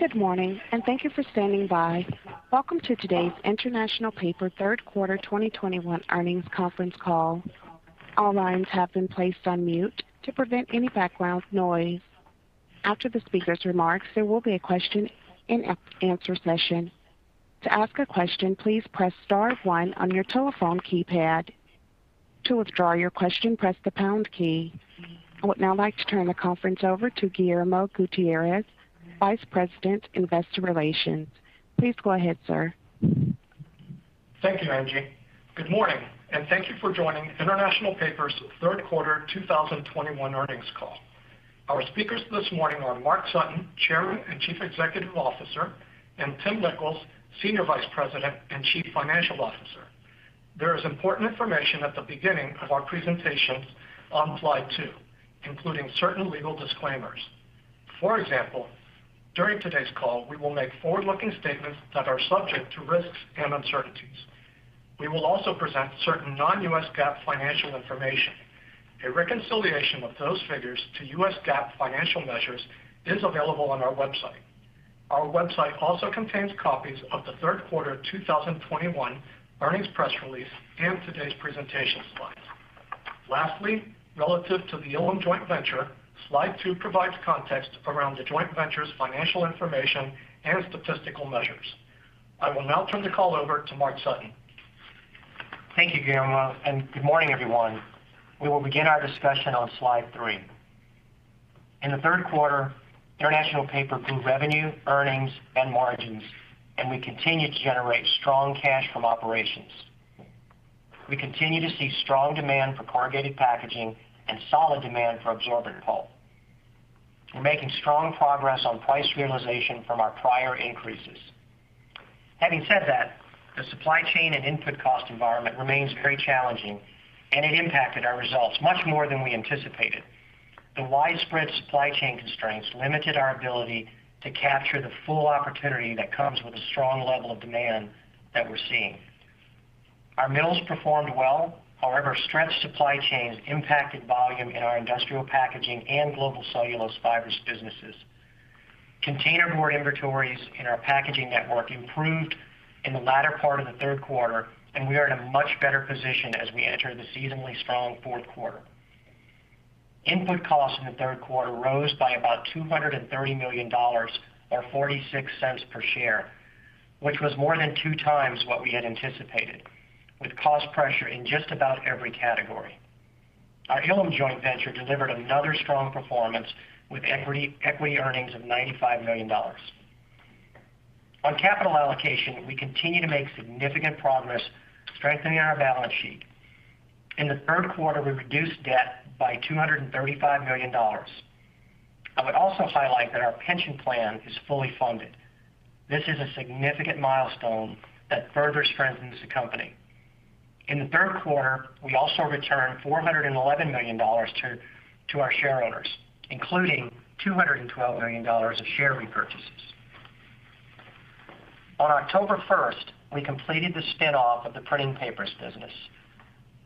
Good morning, and thank you for standing by. Welcome to today's International Paper third quarter 2021 earnings conference call. All lines have been placed on mute to prevent any background noise. After the speaker's remarks, there will be a question-and-answer session. To ask a question, please press star one on your telephone keypad. To withdraw your question, press the pound key. I would now like to turn the conference over to Guillermo Gutierrez, Vice President, Investor Relations. Please go ahead, sir. Thank you, Angie. Good morning, and thank you for joining International Paper's third quarter 2021 earnings call. Our speakers this morning are Mark Sutton, Chairman and Chief Executive Officer, and Tim Nicholls, Senior Vice President and Chief Financial Officer. There is important information at the beginning of our presentations on slide two, including certain legal disclaimers. For example, during today's call, we will make forward-looking statements that are subject to risks and uncertainties. We will also present certain non-U.S. GAAP financial information. A reconciliation of those figures to U.S. GAAP financial measures is available on our website. Our website also contains copies of the third quarter of 2021 earnings press release and today's presentation slides. Lastly, relative to the Ilim joint venture, slide two provides context around the joint venture's financial information and statistical measures. I will now turn the call over to Mark Sutton. Thank you, Guillermo, and good morning, everyone. We will begin our discussion on slide three. In the third quarter, International Paper grew revenue, earnings, and margins, and we continue to generate strong cash from operations. We continue to see strong demand for corrugated packaging and solid demand for absorbent pulp. We're making strong progress on price realization from our prior increases. Having said that, the supply chain and input cost environment remains very challenging, and it impacted our results much more than we anticipated. The widespread supply chain constraints limited our ability to capture the full opportunity that comes with a strong level of demand that we're seeing. Our mills performed well. However, stretched supply chains impacted volume in our Industrial Packaging and Global Cellulose Fibers businesses. Containerboard inventories in our packaging network improved in the latter part of the third quarter, and we are in a much better position as we enter the seasonally strong fourth quarter. Input costs in the third quarter rose by about $230 million or 46 cents per share, which was more than two times what we had anticipated, with cost pressure in just about every category. Our Ilim joint venture delivered another strong performance with equity earnings of $95 million. On capital allocation, we continue to make significant progress strengthening our balance sheet. In the third quarter, we reduced debt by $235 million. I would also highlight that our pension plan is fully funded. This is a significant milestone that further strengthens the company. In the third quarter, we also returned $411 million to our shareholders, including $212 million of share repurchases. On October 1, we completed the spin-off of the printing papers business.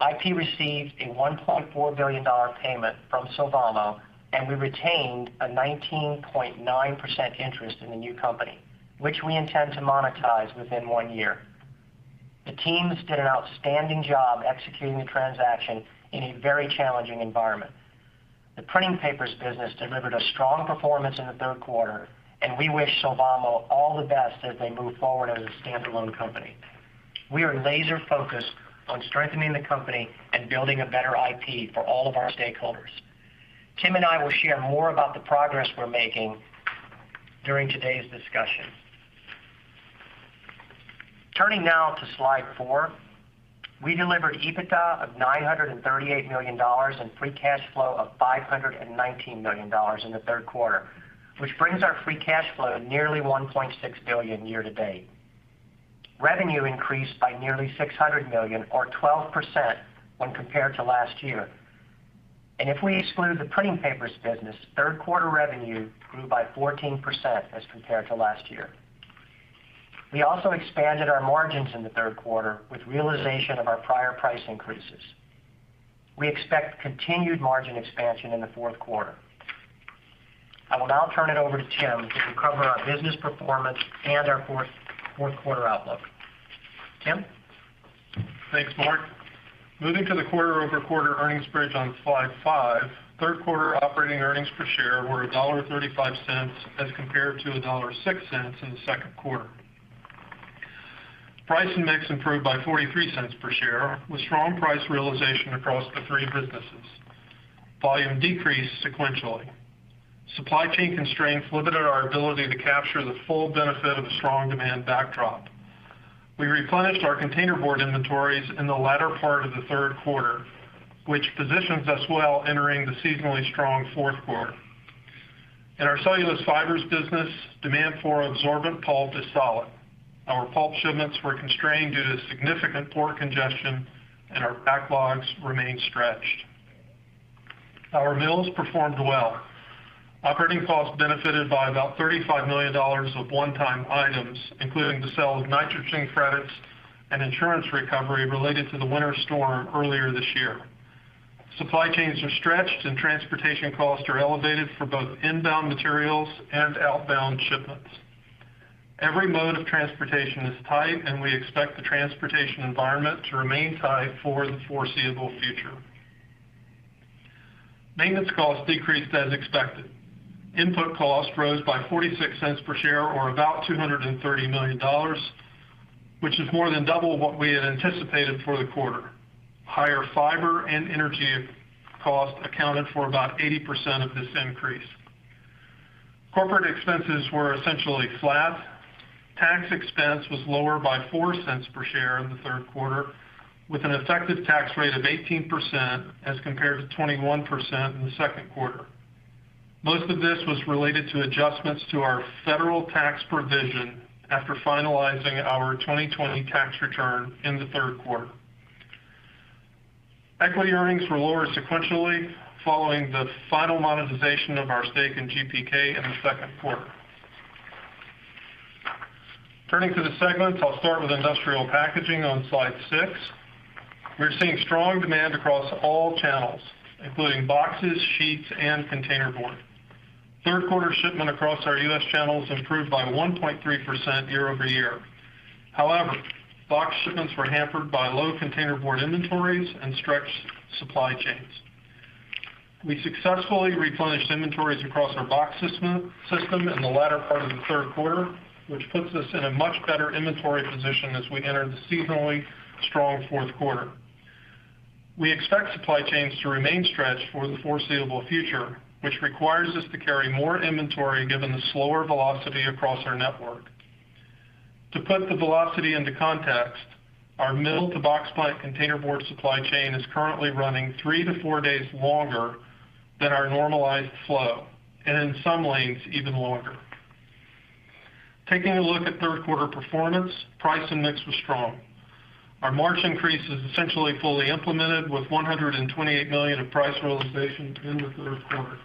IP received a $1.4 billion payment from Sylvamo, and we retained a 19.9% interest in the new company, which we intend to monetize within one year. The teams did an outstanding job executing the transaction in a very challenging environment. The printing papers business delivered a strong performance in the third quarter, and we wish Sylvamo all the best as they move forward as a standalone company. We are laser-focused on strengthening the company and building a better IP for all of our stakeholders. Tim and I will share more about the progress we're making during today's discussion. Turning now to slide four. We delivered EBITDA of $938 million and free cash flow of $519 million in the third quarter, which brings our free cash flow to nearly $1.6 billion year to date. Revenue increased by nearly $600 million or 12% when compared to last year. If we exclude the printing papers business, third quarter revenue grew by 14% as compared to last year. We also expanded our margins in the third quarter with realization of our prior price increases. We expect continued margin expansion in the fourth quarter. I will now turn it over to Tim to cover our business performance and our fourth quarter outlook. Tim? Thanks, Mark. Moving to the quarter-over-quarter earnings bridge on slide five. Third quarter operating earnings per share were $1.35 as compared to $1.06 in the second quarter. Price and mix improved by $0.43 per share, with strong price realization across the three businesses. Volume decreased sequentially. Supply chain constraints limited our ability to capture the full benefit of the strong demand backdrop. We replenished our containerboard inventories in the latter part of the third quarter, which positions us well entering the seasonally strong fourth quarter. In our Cellulose Fibers business, demand for absorbent pulp is solid. Our pulp shipments were constrained due to significant port congestion, and our backlogs remain stretched. Our mills performed well. Operating costs benefited by about $35 million of one-time items, including the sale of nitrogen credits and insurance recovery related to the winter storm earlier this year. Supply chains are stretched and transportation costs are elevated for both inbound materials and outbound shipments. Every mode of transportation is tight, and we expect the transportation environment to remain tight for the foreseeable future. Maintenance costs decreased as expected. Input costs rose by $0.46 per share, or about $230 million, which is more than double what we had anticipated for the quarter. Higher fiber and energy costs accounted for about 80% of this increase. Corporate expenses were essentially flat. Tax expense was lower by $0.04 per share in the third quarter, with an effective tax rate of 18% as compared to 21% in the second quarter. Most of this was related to adjustments to our federal tax provision after finalizing our 2020 tax return in the third quarter. Equity earnings were lower sequentially following the final monetization of our stake in GPK in the second quarter. Turning to the segments, I'll start with Industrial Packaging on slide six. We're seeing strong demand across all channels, including boxes, sheets, and containerboard. Third quarter shipment across our U.S. channels improved by 1.3% year-over-year. However, box shipments were hampered by low containerboard inventories and stretched supply chains. We successfully replenished inventories across our box system in the latter part of the third quarter, which puts us in a much better inventory position as we enter the seasonally strong fourth quarter. We expect supply chains to remain stretched for the foreseeable future, which requires us to carry more inventory given the slower velocity across our network. To put the velocity into context, our mill-to-box plant containerboard supply chain is currently running three days to four days longer than our normalized flow, and in some lanes, even longer. Taking a look at third quarter performance, price and mix was strong. Our March increase is essentially fully implemented with $128 million of price realization in the third quarter.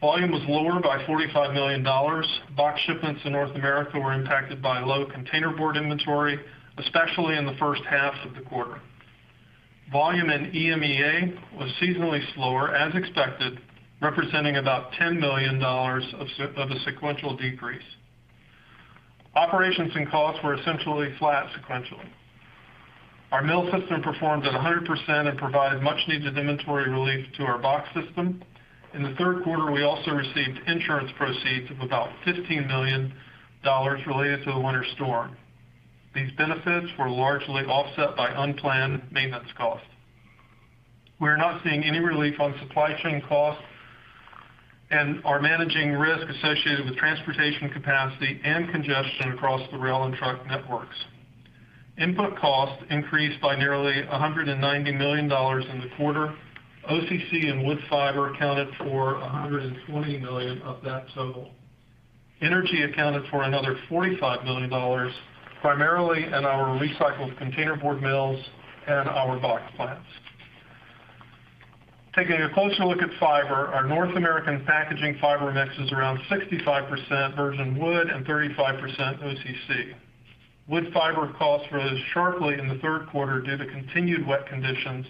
Volume was lower by $45 million. Box shipments in North America were impacted by low containerboard inventory, especially in the first half of the quarter. Volume in EMEA was seasonally slower as expected, representing about $10 million of a sequential decrease. Operations and costs were essentially flat sequentially. Our mill system performed at 100% and provided much-needed inventory relief to our box system. In the third quarter, we also received insurance proceeds of about $15 million related to the winter storm. These benefits were largely offset by unplanned maintenance costs. We're not seeing any relief on supply chain costs and are managing risk associated with transportation capacity and congestion across the rail and truck networks. Input costs increased by nearly $190 million in the quarter. OCC and wood fiber accounted for $120 million of that total. Energy accounted for another $45 million, primarily in our recycled containerboard mills and our box plants. Taking a closer look at fiber, our North American packaging fiber mix is around 65% virgin wood and 35% OCC. Wood fiber costs rose sharply in the third quarter due to continued wet conditions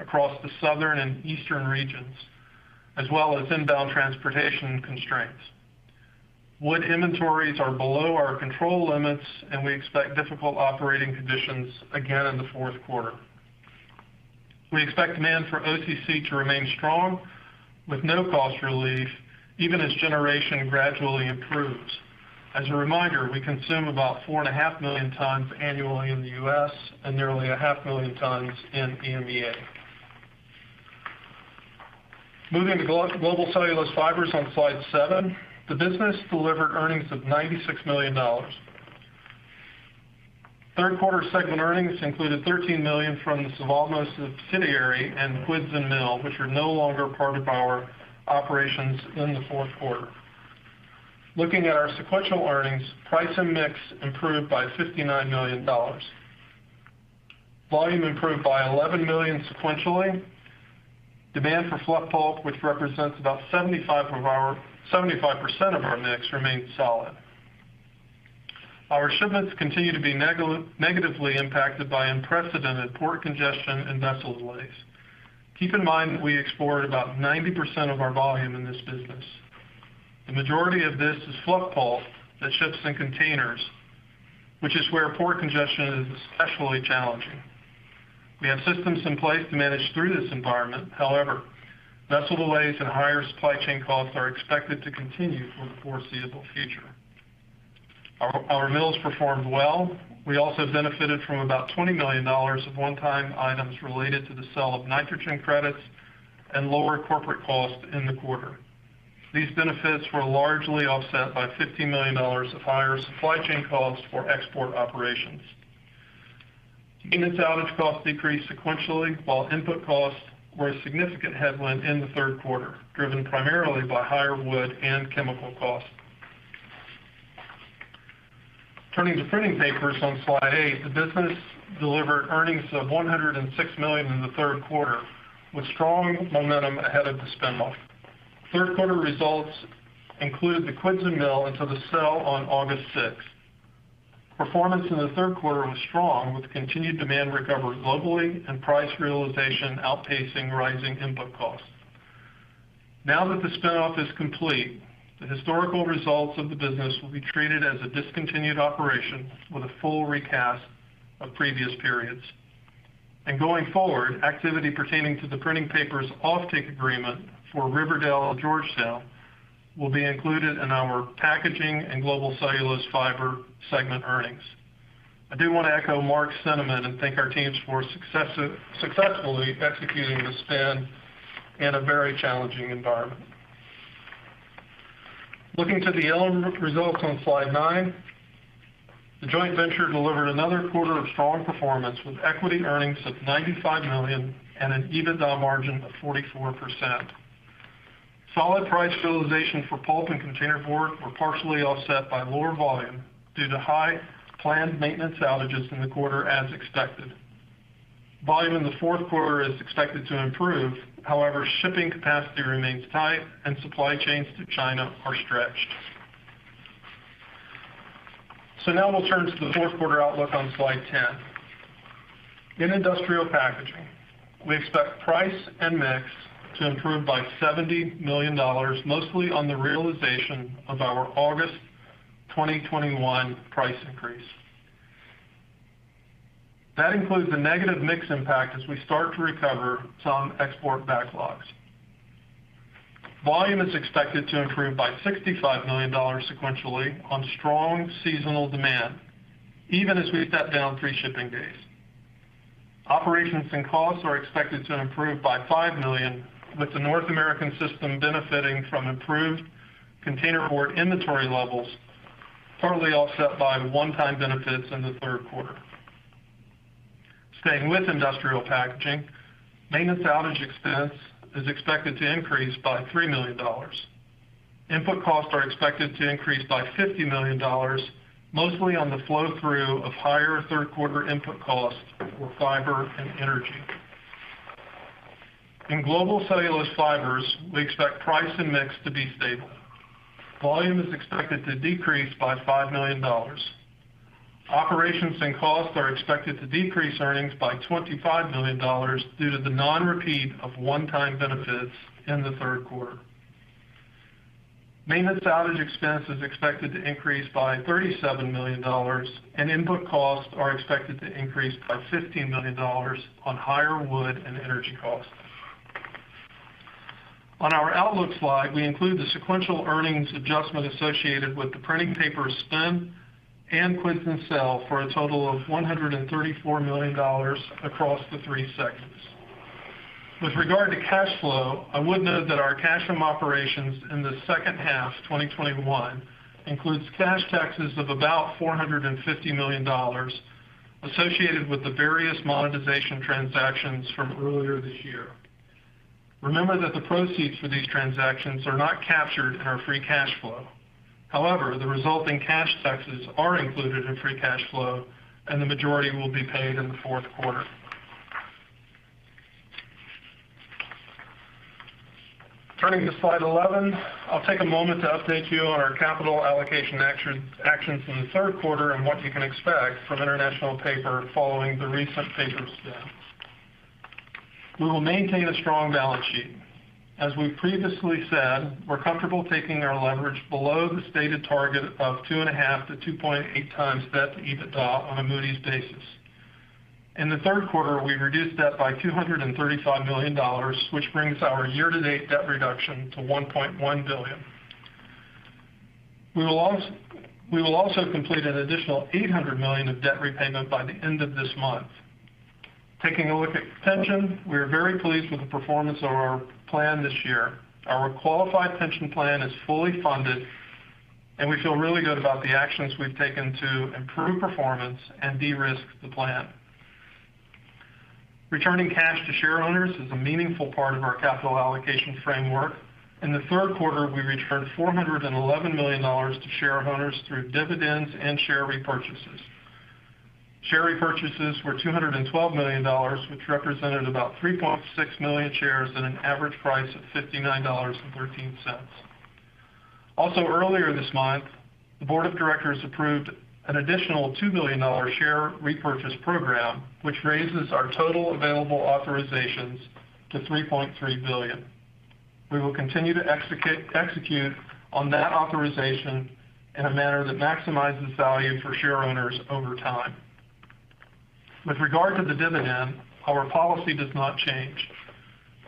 across the southern and eastern regions, as well as inbound transportation constraints. Wood inventories are below our control limits, and we expect difficult operating conditions again in the fourth quarter. We expect demand for OCC to remain strong with no cost relief, even as generation gradually improves. As a reminder, we consume about 4.5 million tons annually in the U.S. and nearly 0.5 million tons in EMEA. Moving to Global Cellulose Fibers on slide seven, the business delivered earnings of $96 million. Third quarter segment earnings included $13 million from the Suzano subsidiary and the Kwidzyn Mill, which are no longer part of our operations in the fourth quarter. Looking at our sequential earnings, price and mix improved by $59 million. Volume improved by $11 million sequentially. Demand for fluff pulp, which represents about 75% of our mix, remained solid. Our shipments continue to be negatively impacted by unprecedented port congestion and vessel delays. Keep in mind that we export about 90% of our volume in this business. The majority of this is fluff pulp that ships in containers, which is where port congestion is especially challenging. We have systems in place to manage through this environment. However, vessel delays and higher supply chain costs are expected to continue for the foreseeable future. Our mills performed well. We also benefited from about $20 million of one-time items related to the sale of nitrogen credits and lower corporate costs in the quarter. These benefits were largely offset by $50 million of higher supply chain costs for export operations. Unit salvage costs decreased sequentially, while input costs were a significant headwind in the third quarter, driven primarily by higher wood and chemical costs. Turning to printing papers on slide eight, the business delivered earnings of $106 million in the third quarter, with strong momentum ahead of the spin-off. Third quarter results include the Kwidzyn Mill in the sale on August 6. Performance in the third quarter was strong, with continued demand recovery globally and price realization outpacing rising input costs. Now that the spin-off is complete, the historical results of the business will be treated as a discontinued operation with a full recast of previous periods. Going forward, activity pertaining to the printing papers offtake agreement for Riverdale and Georgetown will be included in our Packaging and Global Cellulose Fibers segment earnings. I do want to echo Mark's sentiment and thank our teams for successfully executing the spin in a very challenging environment. Looking to the Ilim results on slide nine, the joint venture delivered another quarter of strong performance, with equity earnings of $95 million and an EBITDA margin of 44%. Solid price realization for pulp and containerboard was partially offset by lower volume due to higher planned maintenance outages in the quarter as expected. Volume in the fourth quarter is expected to improve. However, shipping capacity remains tight and supply chains to China are stretched. Now we'll turn to the fourth quarter outlook on slide 10. In Industrial Packaging, we expect price and mix to improve by $70 million, mostly on the realization of our August 2021 price increase. That includes the negative mix impact as we start to recover some export backlogs. Volume is expected to improve by $65 million sequentially on strong seasonal demand, even as we shut down three shipping days. Operations and costs are expected to improve by $5 million, with the North American system benefiting from improved containerboard inventory levels, partly offset by one-time benefits in the third quarter. Staying with Industrial Packaging, maintenance outage expense is expected to increase by $3 million. Input costs are expected to increase by $50 million, mostly on the flow-through of higher third quarter input costs for fiber and energy. In Global Cellulose Fibers, we expect price and mix to be stable. Volume is expected to decrease by $5 million. Operations and costs are expected to decrease earnings by $25 million due to the non-repeat of one-time benefits in the third quarter. Maintenance outage expense is expected to increase by $37 million, and input costs are expected to increase by $15 million on higher wood and energy costs. On our outlook slide, we include the sequential earnings adjustment associated with the printing paper spin and Kwidzyn sale for a total of $134 million across the three segments. With regard to cash flow, I would note that our cash from operations in the second half 2021 includes cash taxes of about $450 million associated with the various monetization transactions from earlier this year. Remember that the proceeds for these transactions are not captured in our free cash flow. However, the resulting cash taxes are included in free cash flow, and the majority will be paid in the fourth quarter. Turning to slide 11, I'll take a moment to update you on our capital allocation actions in the third quarter and what you can expect from International Paper following the recent paper spin. We will maintain a strong balance sheet. As we previously said, we're comfortable taking our leverage below the stated target of 2.5 times to 2.8 times debt to EBITDA on a Moody's basis. In the third quarter, we reduced debt by $235 million, which brings our year-to-date debt reduction to $1.1 billion. We will also complete an additional $800 million of debt repayment by the end of this month. Taking a look at pension, we are very pleased with the performance of our plan this year. Our qualified pension plan is fully funded, and we feel really good about the actions we've taken to improve performance and de-risk the plan. Returning cash to share owners is a meaningful part of our capital allocation framework. In the third quarter, we returned $411 million to share owners through dividends and share repurchases. Share repurchases were $212 million, which represented about 3.6 million shares at an average price of $59.13. Also earlier this month, the board of directors approved an additional $2 billion share repurchase program, which raises our total available authorizations to $3.3 billion. We will continue to execute on that authorization in a manner that maximizes value for share owners over time. With regard to the dividend, our policy does not change.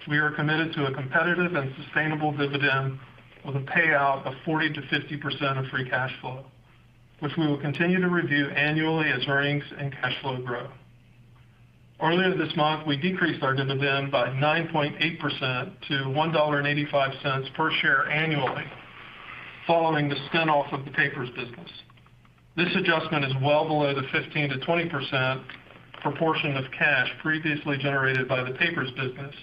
We are committed to a competitive and sustainable dividend with a payout of 40% to 50% of free cash flow, which we will continue to review annually as earnings and cash flow grow. Earlier this month, we decreased our dividend by 9.8% to $1.85 per share annually following the spin-off of the papers business. This adjustment is well below the 15% to 20% proportion of cash previously generated by the papers business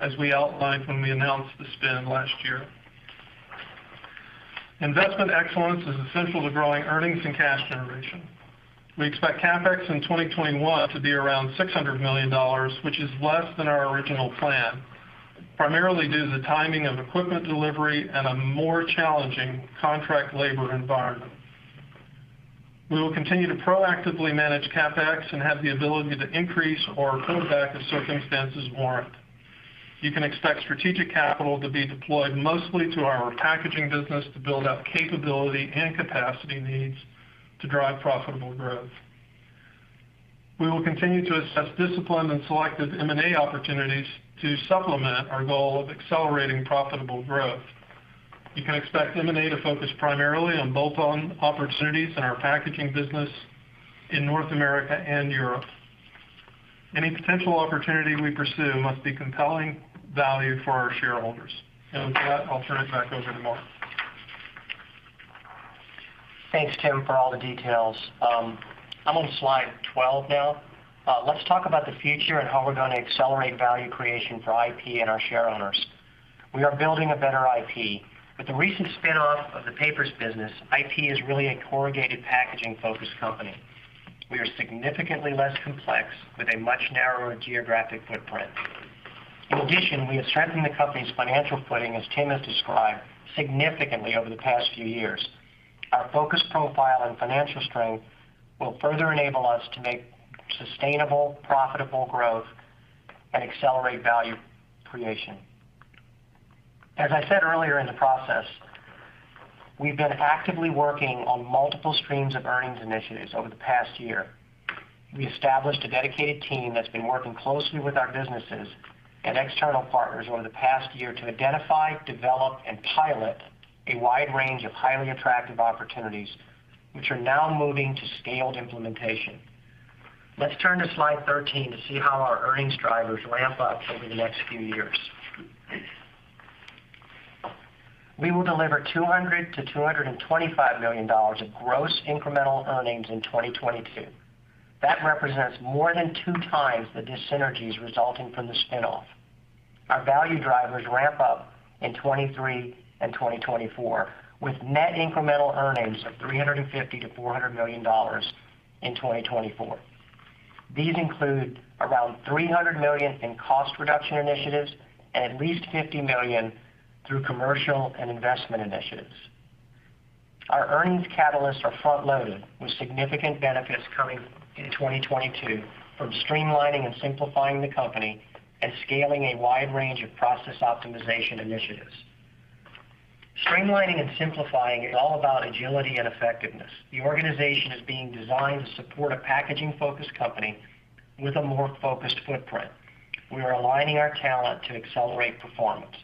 as we outlined when we announced the spin last year. Investment excellence is essential to growing earnings and cash generation. We expect CapEx in 2021 to be around $600 million, which is less than our original plan. Primarily due to the timing of equipment delivery and a more challenging contract labor environment. We will continue to proactively manage CapEx and have the ability to increase or pull back as circumstances warrant. You can expect strategic capital to be deployed mostly to our packaging business to build out capability and capacity needs to drive profitable growth. We will continue to assess discipline and selective M&A opportunities to supplement our goal of accelerating profitable growth. You can expect M&A to focus primarily on bolt-on opportunities in our packaging business in North America and Europe. Any potential opportunity we pursue must be compelling value for our shareholders. With that, I'll turn it back over to Mark. Thanks, Tim, for all the details. I'm on slide 12 now. Let's talk about the future and how we're gonna accelerate value creation for IP and our shareowners. We are building a better IP. With the recent spin-off of the papers business, IP is really a corrugated packaging-focused company. We are significantly less complex with a much narrower geographic footprint. In addition, we have strengthened the company's financial footing, as Tim has described, significantly over the past few years. Our focused profile and financial strength will further enable us to make sustainable, profitable growth and accelerate value creation. As I said earlier in the process, we've been actively working on multiple streams of earnings initiatives over the past year. We established a dedicated team that's been working closely with our businesses and external partners over the past year to identify, develop, and pilot a wide range of highly attractive opportunities, which are now moving to scaled implementation. Let's turn to slide 13 to see how our earnings drivers ramp up over the next few years. We will deliver $200 million to $225 million of gross incremental earnings in 2022. That represents more than two times the dis-synergies resulting from the spin-off. Our value drivers ramp up in 2023 and 2024, with net incremental earnings of $350 million to $400 million in 2024. These include around $300 million in cost reduction initiatives and at least $50 million through commercial and investment initiatives. Our earnings catalysts are front-loaded, with significant benefits coming in 2022 from streamlining and simplifying the company and scaling a wide range of process optimization initiatives. Streamlining and simplifying is all about agility and effectiveness. The organization is being designed to support a packaging-focused company with a more focused footprint. We are aligning our talent to accelerate performance.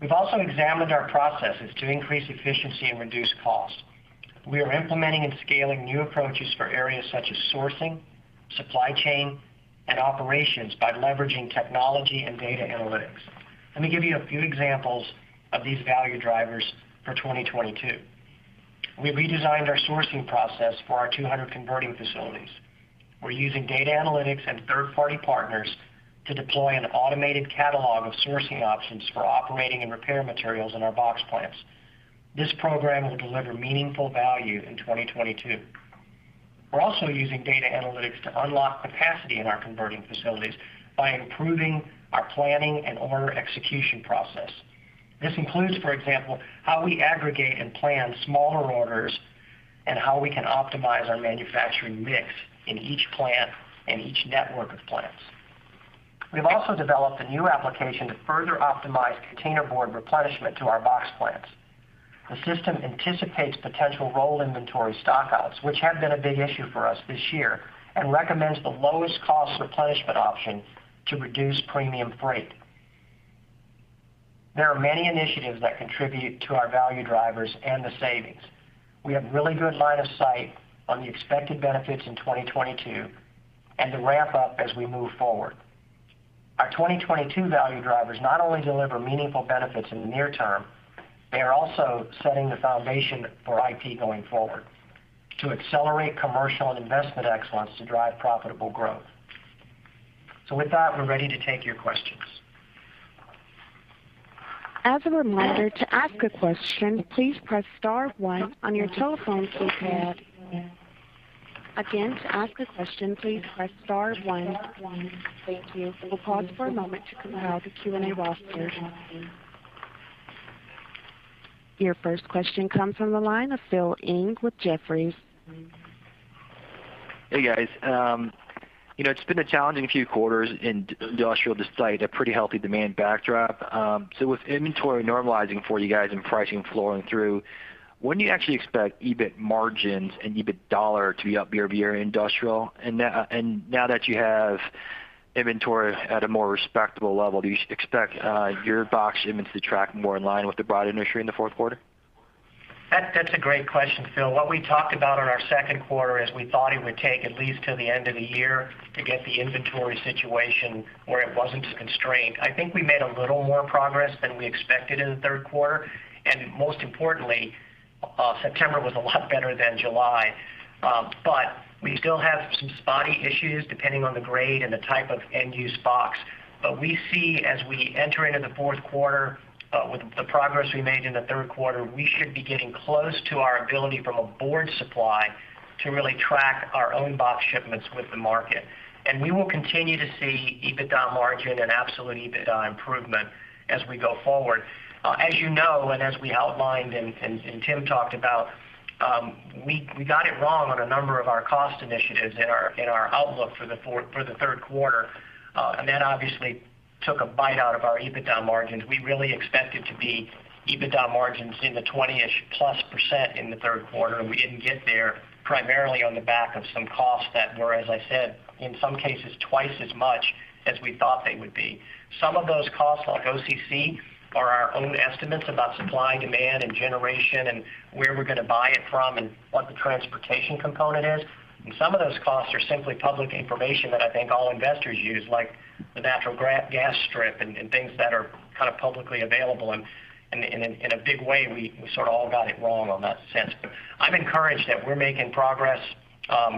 We've also examined our processes to increase efficiency and reduce costs. We are implementing and scaling new approaches for areas such as sourcing, supply chain, and operations by leveraging technology and data analytics. Let me give you a few examples of these value drivers for 2022. We redesigned our sourcing process for our 200 converting facilities. We're using data analytics and third-party partners to deploy an automated catalog of sourcing options for operating and repair materials in our box plants. This program will deliver meaningful value in 2022. We're also using data analytics to unlock capacity in our converting facilities by improving our planning and order execution process. This includes, for example, how we aggregate and plan smaller orders and how we can optimize our manufacturing mix in each plant and each network of plants. We've also developed a new application to further optimize containerboard replenishment to our box plants. The system anticipates potential roll inventory stock-outs, which have been a big issue for us this year, and recommends the lowest cost replenishment option to reduce premium freight. There are many initiatives that contribute to our value drivers and the savings. We have really good line of sight on the expected benefits in 2022 and the ramp up as we move forward. Our 2022 value drivers not only deliver meaningful benefits in the near term, they are also setting the foundation for IP going forward to accelerate commercial and investment excellence to drive profitable growth. With that, we're ready to take your questions. As a reminder, to ask a question, please press star one on your telephone keypad. Again, to ask a question, please press star one. Thank you. We'll pause for a moment to compile the Q&A roster. Your first question comes from the line of Philip Ng with Jefferies. Hey, guys. You know, it's been a challenging few quarters in industrial despite a pretty healthy demand backdrop. With inventory normalizing for you guys and pricing flowing through, when do you actually expect EBIT margins and EBIT dollar to be up year-over-year industrial? Now that you have inventory at a more respectable level, do you expect your box shipments to track more in line with the broad industry in the fourth quarter? That's a great question, Phil. What we talked about in our second quarter is we thought it would take at least till the end of the year to get the inventory situation where it wasn't as constrained. I think we made a little more progress than we expected in the third quarter, and most importantly, September was a lot better than July. We still have some spotty issues depending on the grade and the type of end-use box. We see as we enter into the fourth quarter, with the progress we made in the third quarter, we should be getting close to our ability from a board supply to really track our own box shipments with the market. We will continue to see EBITDA margin and absolute EBITDA improvement as we go forward. As you know, as we outlined and Tim talked about. We got it wrong on a number of our cost initiatives in our outlook for the third quarter. That obviously took a bite out of our EBITDA margins. We really expected EBITDA margins in the 20-ish% plus in the third quarter, and we didn't get there primarily on the back of some costs that were, as I said, in some cases, twice as much as we thought they would be. Some of those costs, like OCC, are our own estimates about supply, demand, and generation and where we're gonna buy it from and what the transportation component is. Some of those costs are simply public information that I think all investors use, like the natural gas strip and things that are kind of publicly available. In a big way, we sort of all got it wrong in that sense. I'm encouraged that we're making progress. As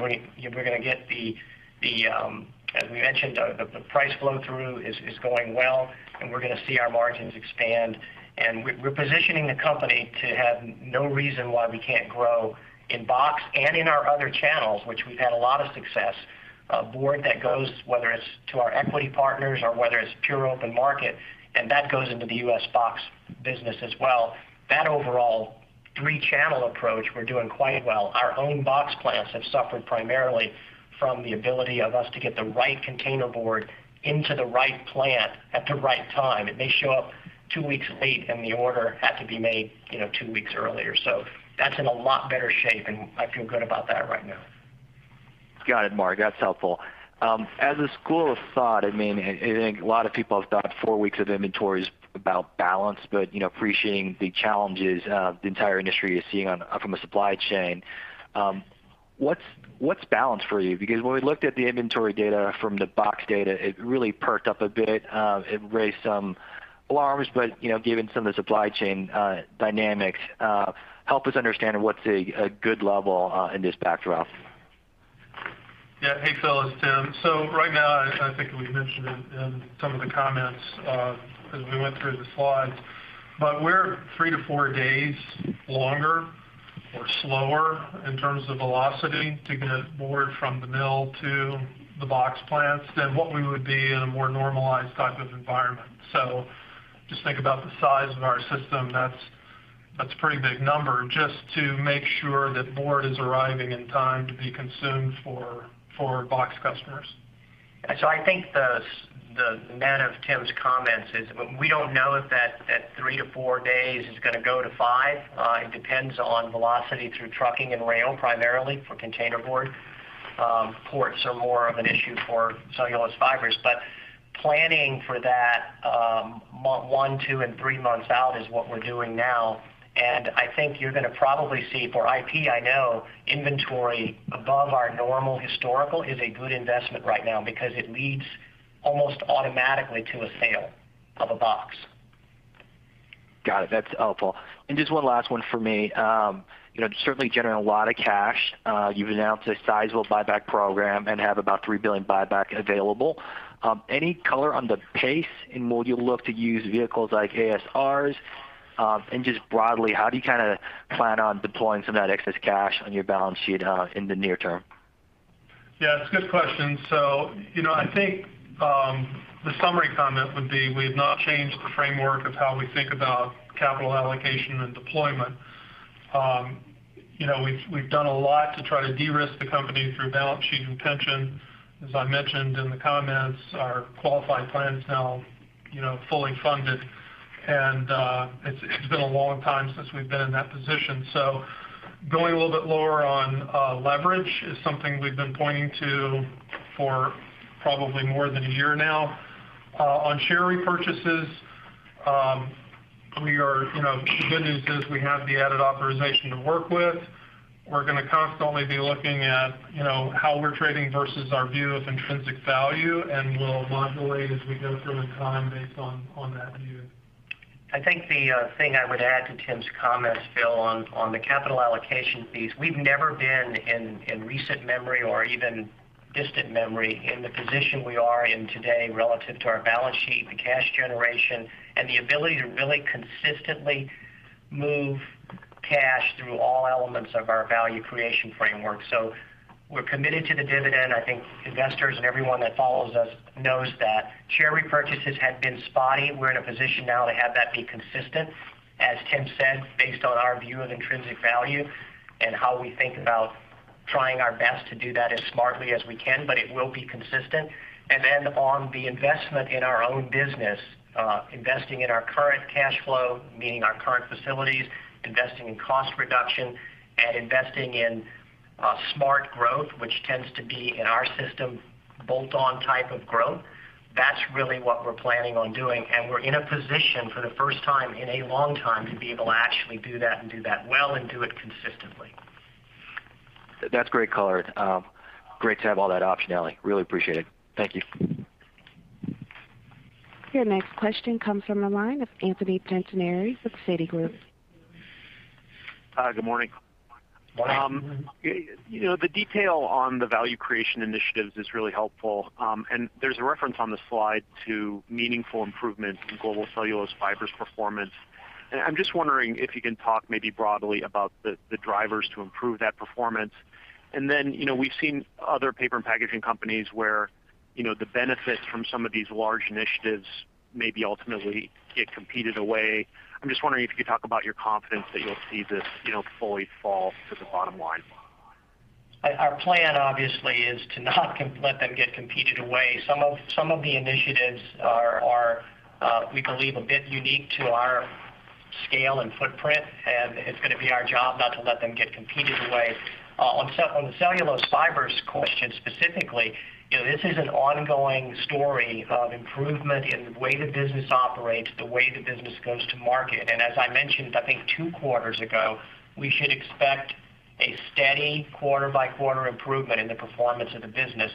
we mentioned, the price flow-through is going well, and we're gonna see our margins expand. We're positioning the company to have no reason why we can't grow in box and in our other channels, which we've had a lot of success with board that goes, whether it's to our equity partners or whether it's pure open market, and that goes into the U.S. box business as well. That overall three-channel approach, we're doing quite well. Our own box plants have suffered primarily from the ability of us to get the right containerboard into the right plant at the right time. It may show up two weeks late, and the order had to be made, you know, two weeks earlier. So that's in a lot better shape, and I feel good about that right now. Got it, Mark. That's helpful. As a school of thought, I mean, I think a lot of people have thought four weeks of inventory is about balance, but, you know, appreciating the challenges the entire industry is seeing from a supply chain, what's balance for you? Because when we looked at the inventory data from the box data, it really perked up a bit. It raised some alarms, but, you know, given some of the supply chain dynamics, help us understand what's a good level in this backdrop. Yeah. Hey, Phil. It's Tim. Right now, I think we've mentioned it in some of the comments, as we went through the slides, but we're three days to four days longer or slower in terms of velocity to get board from the mill to the box plants than what we would be in a more normalized type of environment. Just think about the size of our system. That's a pretty big number just to make sure that board is arriving in time to be consumed for box customers. I think the net of Tim's comments is we don't know if that three days to four days is gonna go to five. It depends on velocity through trucking and rail, primarily for containerboard. Ports are more of an issue for cellulose fibers. Planning for that one, two, and three months out is what we're doing now. I think you're gonna probably see for IP, inventory above our normal historical is a good investment right now because it leads almost automatically to a sale of a box. Got it. That's helpful. Just one last one for me. You know, certainly generating a lot of cash. You've announced a sizable buyback program and have about $3 billion buyback available. Any color on the pace? Will you look to use vehicles like ASRs? Just broadly, how do you kinda plan on deploying some of that excess cash on your balance sheet in the near term? Yeah, it's a good question. You know, I think the summary comment would be we've not changed the framework of how we think about capital allocation and deployment. You know, we've done a lot to try to de-risk the company through balance sheet deleveraging. As I mentioned in the comments, our qualified plan is now, you know, fully funded, and it's been a long time since we've been in that position. Going a little bit lower on leverage is something we've been pointing to for probably more than a year now. On share repurchases, we are, you know, the good news is we have the added authorization to work with. We're gonna constantly be looking at, you know, how we're trading versus our view of intrinsic value, and we'll modulate as we go through in time based on that view. I think the thing I would add to Tim's comments, Phil, on the capital allocation piece, we've never been in recent memory or even distant memory in the position we are in today relative to our balance sheet, the cash generation, and the ability to really consistently move cash through all elements of our value creation framework. We're committed to the dividend. I think investors and everyone that follows us knows that share repurchases had been spotty. We're in a position now to have that be consistent, as Tim said, based on our view of intrinsic value and how we think about trying our best to do that as smartly as we can, but it will be consistent. Then on the investment in our own business, investing in our current cash flow, meaning our current facilities, investing in cost reduction, and investing in smart growth, which tends to be in our system, bolt-on type of growth. That's really what we're planning on doing. We're in a position for the first time in a long time to be able to actually do that and do that well and do it consistently. That's great color. Great to have all that optionality. Really appreciate it. Thank you. Your next question comes from the line of Anthony Pettinari with Citigroup. Hi. Good morning. Morning. You know, the detail on the value creation initiatives is really helpful. There's a reference on the slide to meaningful improvement in Global Cellulose Fibers performance. I'm just wondering if you can talk maybe broadly about the drivers to improve that performance. Then, you know, we've seen other paper and packaging companies where, you know, the benefits from some of these large initiatives maybe ultimately get competed away. I'm just wondering if you could talk about your confidence that you'll see this, you know, fully fall to the bottom line. Our plan obviously is to not let them get competed away. Some of the initiatives are we believe a bit unique to our scale and footprint, and it's gonna be our job not to let them get competed away. On the cellulose fibers question specifically, you know, this is an ongoing story of improvement in the way the business operates, the way the business goes to market. As I mentioned, I think two quarters ago, we should expect a steady quarter by quarter improvement in the performance of the business,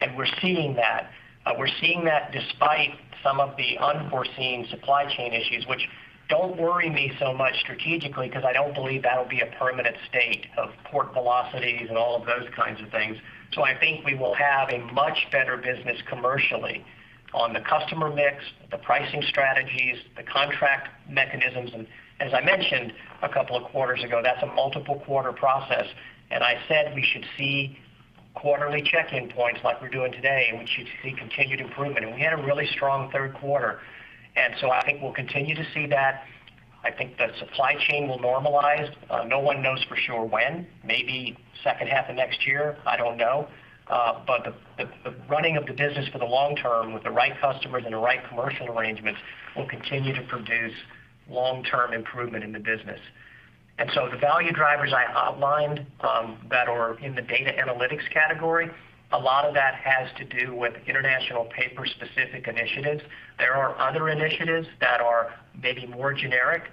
and we're seeing that. We're seeing that despite some of the unforeseen supply chain issues, which don't worry me so much strategically because I don't believe that'll be a permanent state of port velocities and all of those kinds of things. I think we will have a much better business commercially on the customer mix, the pricing strategies, the contract mechanisms. As I mentioned a couple of quarters ago, that's a multiple quarter process. I said we should see quarterly check-in points like we're doing today, and we should see continued improvement. We had a really strong third quarter. I think we'll continue to see that. I think the supply chain will normalize. No one knows for sure when, maybe second half of next year, I don't know. The running of the business for the long term with the right customers and the right commercial arrangements will continue to produce long-term improvement in the business. The value drivers I outlined that are in the data analytics category, a lot of that has to do with International Paper-specific initiatives. There are other initiatives that are maybe more generic,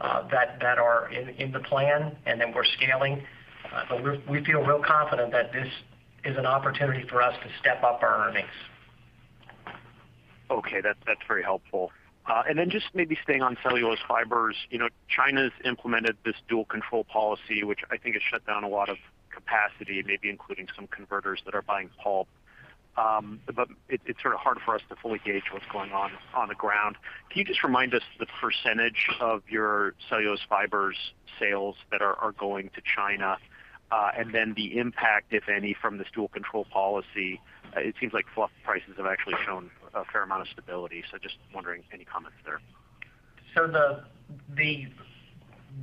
that are in the plan, and then we're scaling. We're real confident that this is an opportunity for us to step up our earnings. Okay. That's very helpful. Just maybe staying on cellulose fibers. You know, China's implemented this dual control policy, which I think has shut down a lot of capacity, maybe including some converters that are buying pulp. It's sort of hard for us to fully gauge what's going on the ground. Can you just remind us the percentage of your cellulose fibers sales that are going to China? The impact, if any, from this dual control policy? It seems like fluff prices have actually shown a fair amount of stability, so just wondering, any comments there. The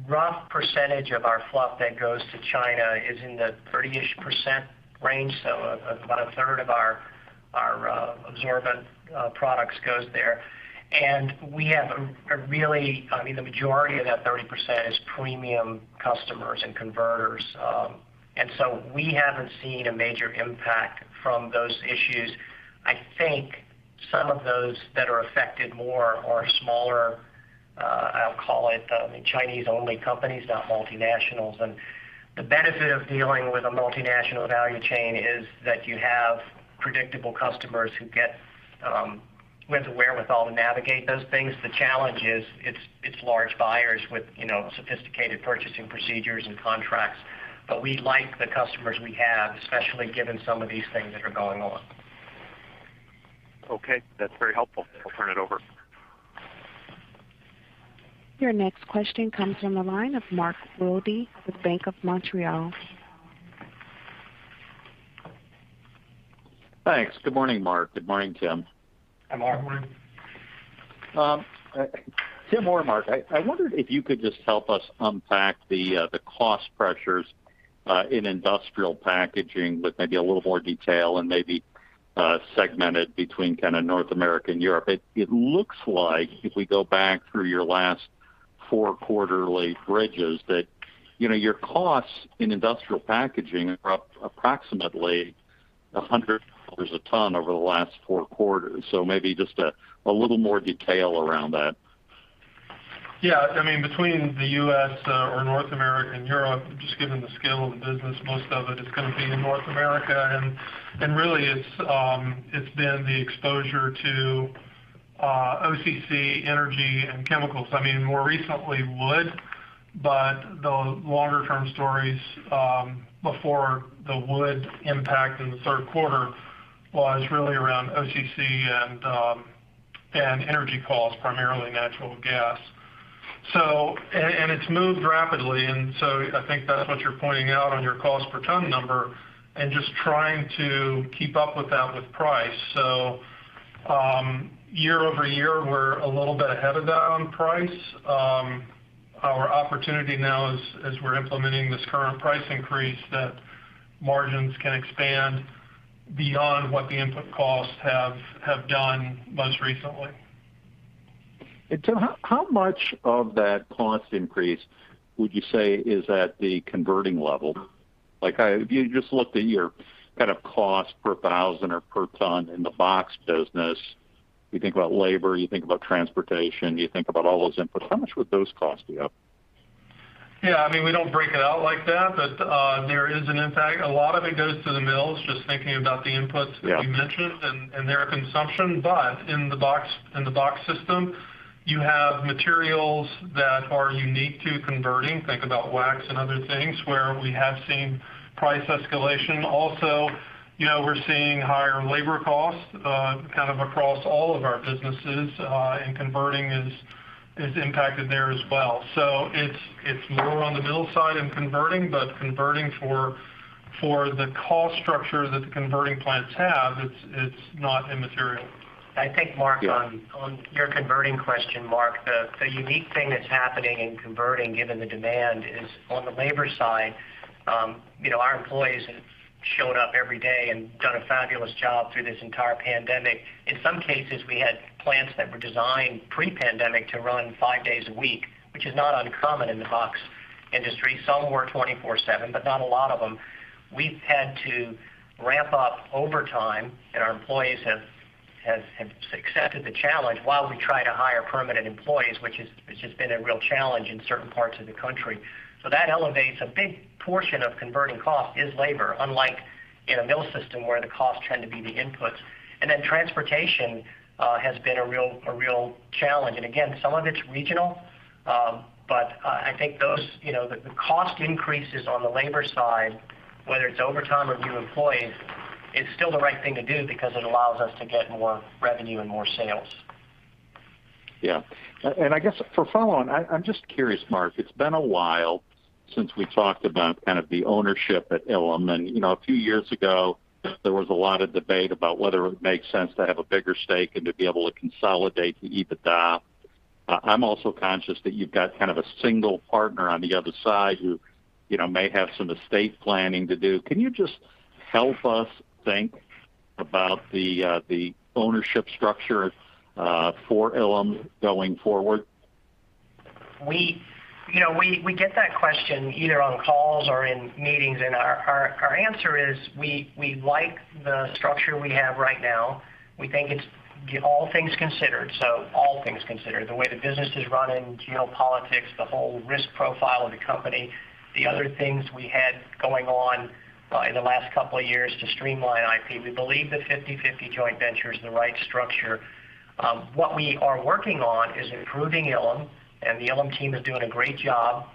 rough percentage of our fluff that goes to China is in the 30-ish% range. About a third of our absorbent products goes there. We have a really, I mean, the majority of that 30% is premium customers and converters. We haven't seen a major impact from those issues. I think some of those that are affected more are smaller, I'll call it, I mean, Chinese-only companies, not multinationals. The benefit of dealing with a multinational value chain is that you have predictable customers who get with the wherewithal to navigate those things. The challenge is it's large buyers with, you know, sophisticated purchasing procedures and contracts. We like the customers we have, especially given some of these things that are going on. Okay. That's very helpful. I'll turn it over. Your next question comes from the line of Mark Wilde with BMO Capital Markets. Thanks. Good morning, Mark. Good morning, Tim. Hi, Mark. Good morning. Tim or Mark, I wondered if you could just help us unpack the cost pressures in Industrial Packaging with maybe a little more detail and maybe segmented between kind of North America and Europe. It looks like if we go back through your last four quarterly bridges that, you know, your costs in Industrial Packaging are up approximately $100 a ton over the last four quarters. Maybe just a little more detail around that. Yeah. I mean, between the U.S., or North America and Europe, just given the scale of the business, most of it is gonna be in North America. And really, it's been the exposure to OCC, energy, and chemicals. I mean, more recently, wood, but the longer-term stories before the wood impact in the third quarter was really around OCC and energy costs, primarily natural gas. So, it's moved rapidly, and so I think that's what you're pointing out on your cost per ton number and just trying to keep up with that with price. Year-over-year, we're a little bit ahead of that on price. Our opportunity now as we're implementing this current price increase, that margins can expand beyond what the input costs have done most recently. Tim, how much of that cost increase would you say is at the converting level? Like, if you just looked at your kind of cost per thousand or per ton in the box business, you think about labor, you think about transportation, you think about all those inputs, how much would those cost you? Yeah. I mean, we don't break it out like that, but there is an impact. A lot of it goes to the mills, just thinking about the inputs that you mentioned. Yeah. their consumption. In the box system, you have materials that are unique to converting, think about wax and other things, where we have seen price escalation. Also, you know, we're seeing higher labor costs, kind of across all of our businesses, and converting is is impacted there as well. It's more on the mill side and converting, but converting for the cost structure that the converting plants have, it's not immaterial. I think Mark. Yeah. On your converting question, Mark, the unique thing that's happening in converting given the demand is on the labor side, you know, our employees have showed up every day and done a fabulous job through this entire pandemic. In some cases, we had plants that were designed pre-pandemic to run five days a week, which is not uncommon in the box industry. Some were 24/7, but not a lot of them. We've had to ramp up overtime, and our employees have accepted the challenge while we try to hire permanent employees, which has been a real challenge in certain parts of the country. That elevates a big portion of converting cost is labor, unlike in a mill system where the costs tend to be the inputs. Transportation has been a real challenge. Again, some of it's regional, but I think those, you know, the cost increases on the labor side, whether it's overtime or new employees, is still the right thing to do because it allows us to get more revenue and more sales. Yeah. I guess for follow on, I'm just curious, Mark, it's been a while since we talked about kind of the ownership at Ilim. You know, a few years ago, there was a lot of debate about whether it makes sense to have a bigger stake and to be able to consolidate the EBITDA. I'm also conscious that you've got kind of a single partner on the other side who, you know, may have some estate planning to do. Can you just help us think about the ownership structure for Ilim going forward? We get that question either on calls or in meetings, and our answer is we like the structure we have right now. We think it's all things considered, the way the business is running, geopolitics, the whole risk profile of the company, the other things we had going on in the last couple of years to streamline IP, we believe the 50/50 joint venture is the right structure. What we are working on is improving Ilim, and the Ilim team is doing a great job,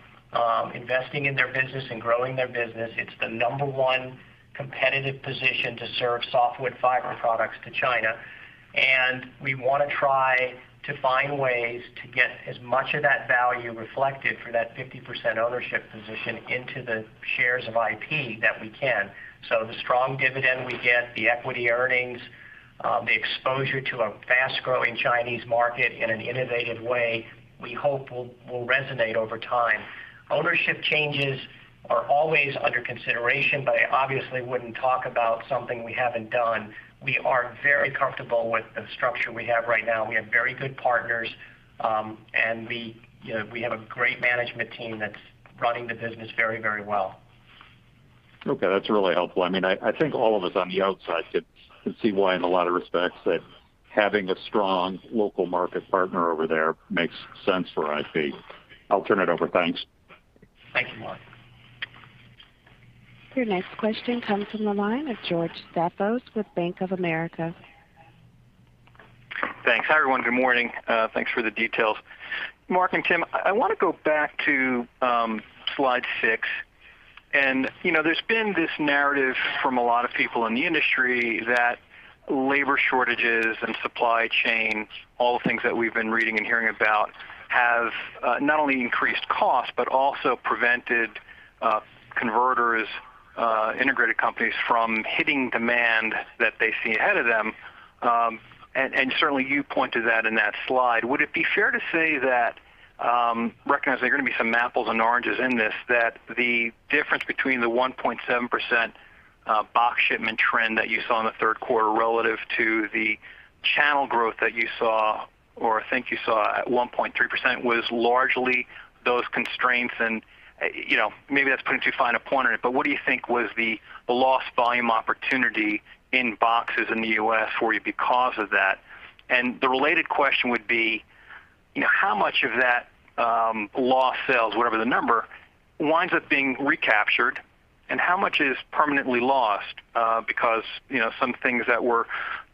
investing in their business and growing their business. It's the number one competitive position to serve softwood fiber products to China. We wanna try to find ways to get as much of that value reflected for that 50% ownership position into the shares of IP that we can. The strong dividend we get, the equity earnings, the exposure to a fast-growing Chinese market in an innovative way, we hope will resonate over time. Ownership changes are always under consideration, but I obviously wouldn't talk about something we haven't done. We are very comfortable with the structure we have right now. We have very good partners, and we, you know, have a great management team that's running the business very, very well. Okay. That's really helpful. I mean, I think all of us on the outside could see why in a lot of respects that having a strong local market partner over there makes sense for IP. I'll turn it over. Thanks. Thank you, Mark. Your next question comes from the line of George Staphos with Bank of America. Thanks. Hi, everyone. Good morning. Thanks for the details. Mark and Tim, I wanna go back to slide 6. You know, there's been this narrative from a lot of people in the industry that labor shortages and supply chain, all the things that we've been reading and hearing about, have not only increased costs, but also prevented converters, integrated companies from hitting demand that they see ahead of them. Certainly you point to that in that slide. Would it be fair to say that we recognize there are gonna be some apples and oranges in this, that the difference between the 1.7% box shipment trend that you saw in the third quarter relative to the channel growth that you saw or think you saw at 1.3% was largely those constraints? You know, maybe that's putting too fine a point on it, but what do you think was the lost volume opportunity in boxes in the U.S. for you because of that? The related question would be, you know, how much of that, lost sales, whatever the number, winds up being recaptured, and how much is permanently lost, because, you know, some things that we're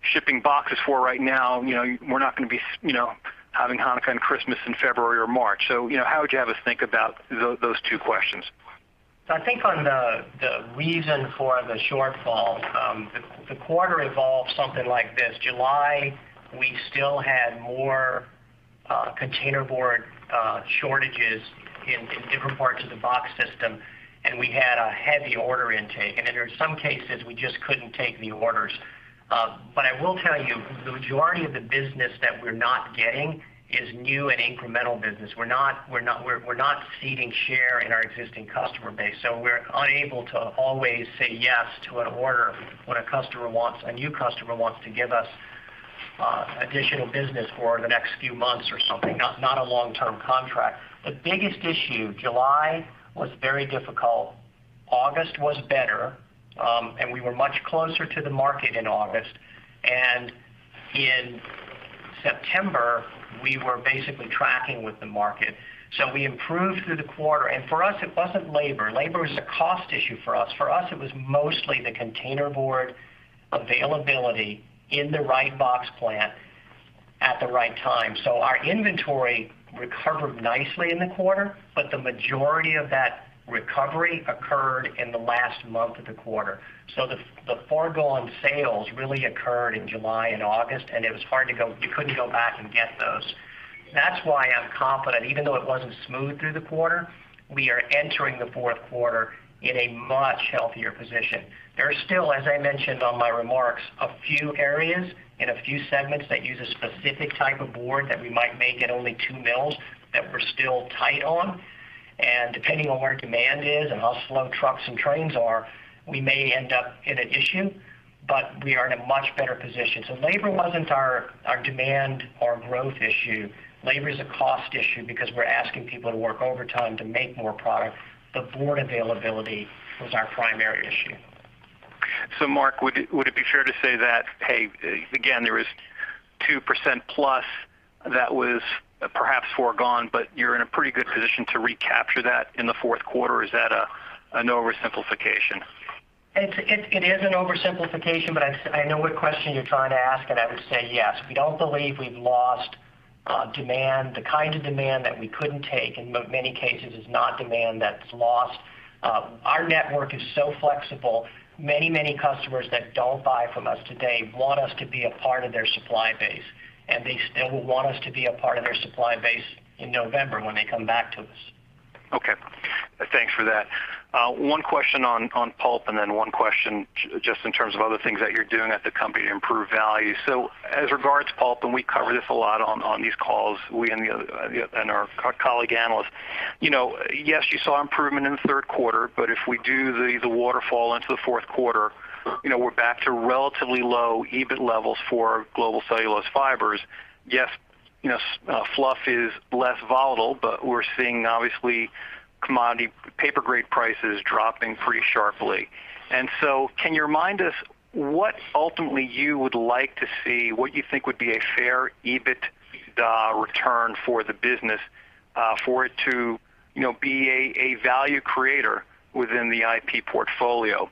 shipping boxes for right now, you know, we're not gonna be, you know, having Hanukkah and Christmas in February or March. You know, how would you have us think about those two questions? I think on the reason for the shortfall, the quarter involves something like this. July, we still had more containerboard shortages in different parts of the box system, and we had a heavy order intake. In some cases, we just couldn't take the orders. I will tell you, the majority of the business that we're not getting is new and incremental business. We're not ceding share in our existing customer base. We're unable to always say yes to an order when a new customer wants to give us additional business for the next few months or something, not a long-term contract. The biggest issue, July was very difficult. August was better, and we were much closer to the market in August. In September, we were basically tracking with the market. We improved through the quarter. For us, it wasn't labor. Labor is a cost issue for us. For us, it was mostly the containerboard availability in the right box plant at the right time. Our inventory recovered nicely in the quarter, but the majority of that recovery occurred in the last month of the quarter. The foregone sales really occurred in July and August, and it was hard to you couldn't go back and get those. That's why I'm confident, even though it wasn't smooth through the quarter, we are entering the fourth quarter in a much healthier position. There are still, as I mentioned in my remarks, a few areas in a few segments that use a specific type of board that we might make at only two mills that we're still tight on. Depending on where demand is and how slow trucks and trains are, we may end up in an issue, but we are in a much better position. Labor wasn't our demand or growth issue. Labor is a cost issue because we're asking people to work overtime to make more product. The board availability was our primary issue. Mark, would it be fair to say that, hey, again, there is 2% plus that was perhaps foregone, but you're in a pretty good position to recapture that in the fourth quarter, or is that an oversimplification? It is an oversimplification, but I know what question you're trying to ask, and I would say yes. We don't believe we've lost demand. The kind of demand that we couldn't take in many cases is not demand that's lost. Our network is so flexible, many, many customers that don't buy from us today want us to be a part of their supply base, and they still want us to be a part of their supply base in November when they come back to us. Okay. Thanks for that. One question on pulp and then one question just in terms of other things that you're doing at the company to improve value. As regards pulp, we cover this a lot on these calls, and our colleague analysts. Yes, you saw improvement in the third quarter, but if we do the waterfall into the fourth quarter. Mm-hmm. You know, we're back to relatively low EBIT levels for Global Cellulose Fibers. Yes, you know, fluff is less volatile, but we're seeing obviously commodity paper grade prices dropping pretty sharply. Can you remind us what ultimately you would like to see, what you think would be a fair EBITDA return for the business, for it to, you know, be a value creator within the IP portfolio?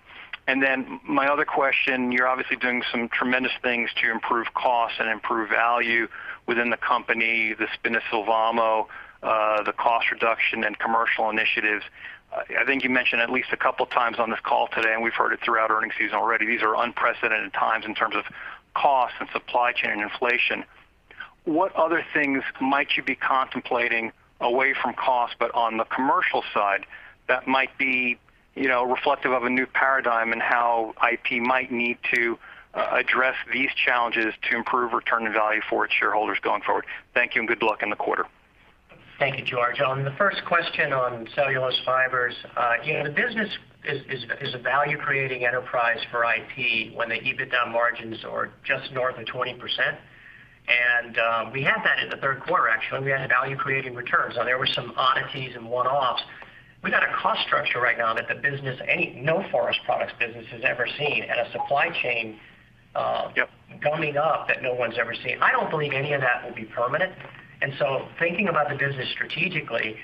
My other question, you're obviously doing some tremendous things to improve costs and improve value within the company, the spin-off Sylvamo, the cost reduction and commercial initiatives. I think you mentioned at least a couple of times on this call today, and we've heard it throughout earnings season already. These are unprecedented times in terms of cost and supply chain inflation. What other things might you be contemplating away from cost, but on the commercial side that might be, you know, reflective of a new paradigm and how IP might need to address these challenges to improve return and value for its shareholders going forward? Thank you, and good luck in the quarter. Thank you, George. On the first question on cellulose fibers, you know, the business is a value-creating enterprise for IP when the EBITDA margins are just north of 20%. We had that in the third quarter, actually, when we had value-creating returns. Now there were some oddities and one-offs. We got a cost structure right now that the business no forest products business has ever seen and a supply chain. Yep. Summing up, that no one's ever seen. I don't believe any of that will be permanent. Thinking about the business strategically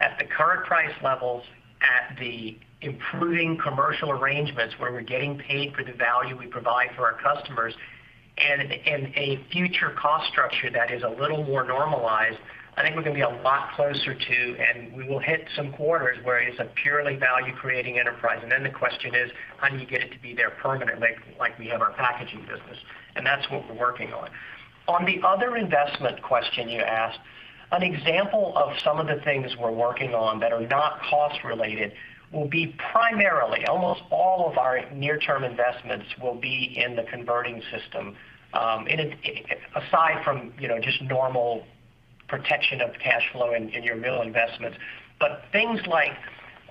at the current price levels, at the improving commercial arrangements, where we're getting paid for the value we provide for our customers and a future cost structure that is a little more normalized, I think we're going to be a lot closer to, and we will hit some quarters where it's a purely value-creating enterprise. The question is, how do you get it to be there permanently like we have our packaging business? That's what we're working on. On the other investment question you asked, an example of some of the things we're working on that are not cost related will be primarily, almost all of our near-term investments will be in the converting system. Aside from, you know, just normal protection of cash flow in your mill investments. Things like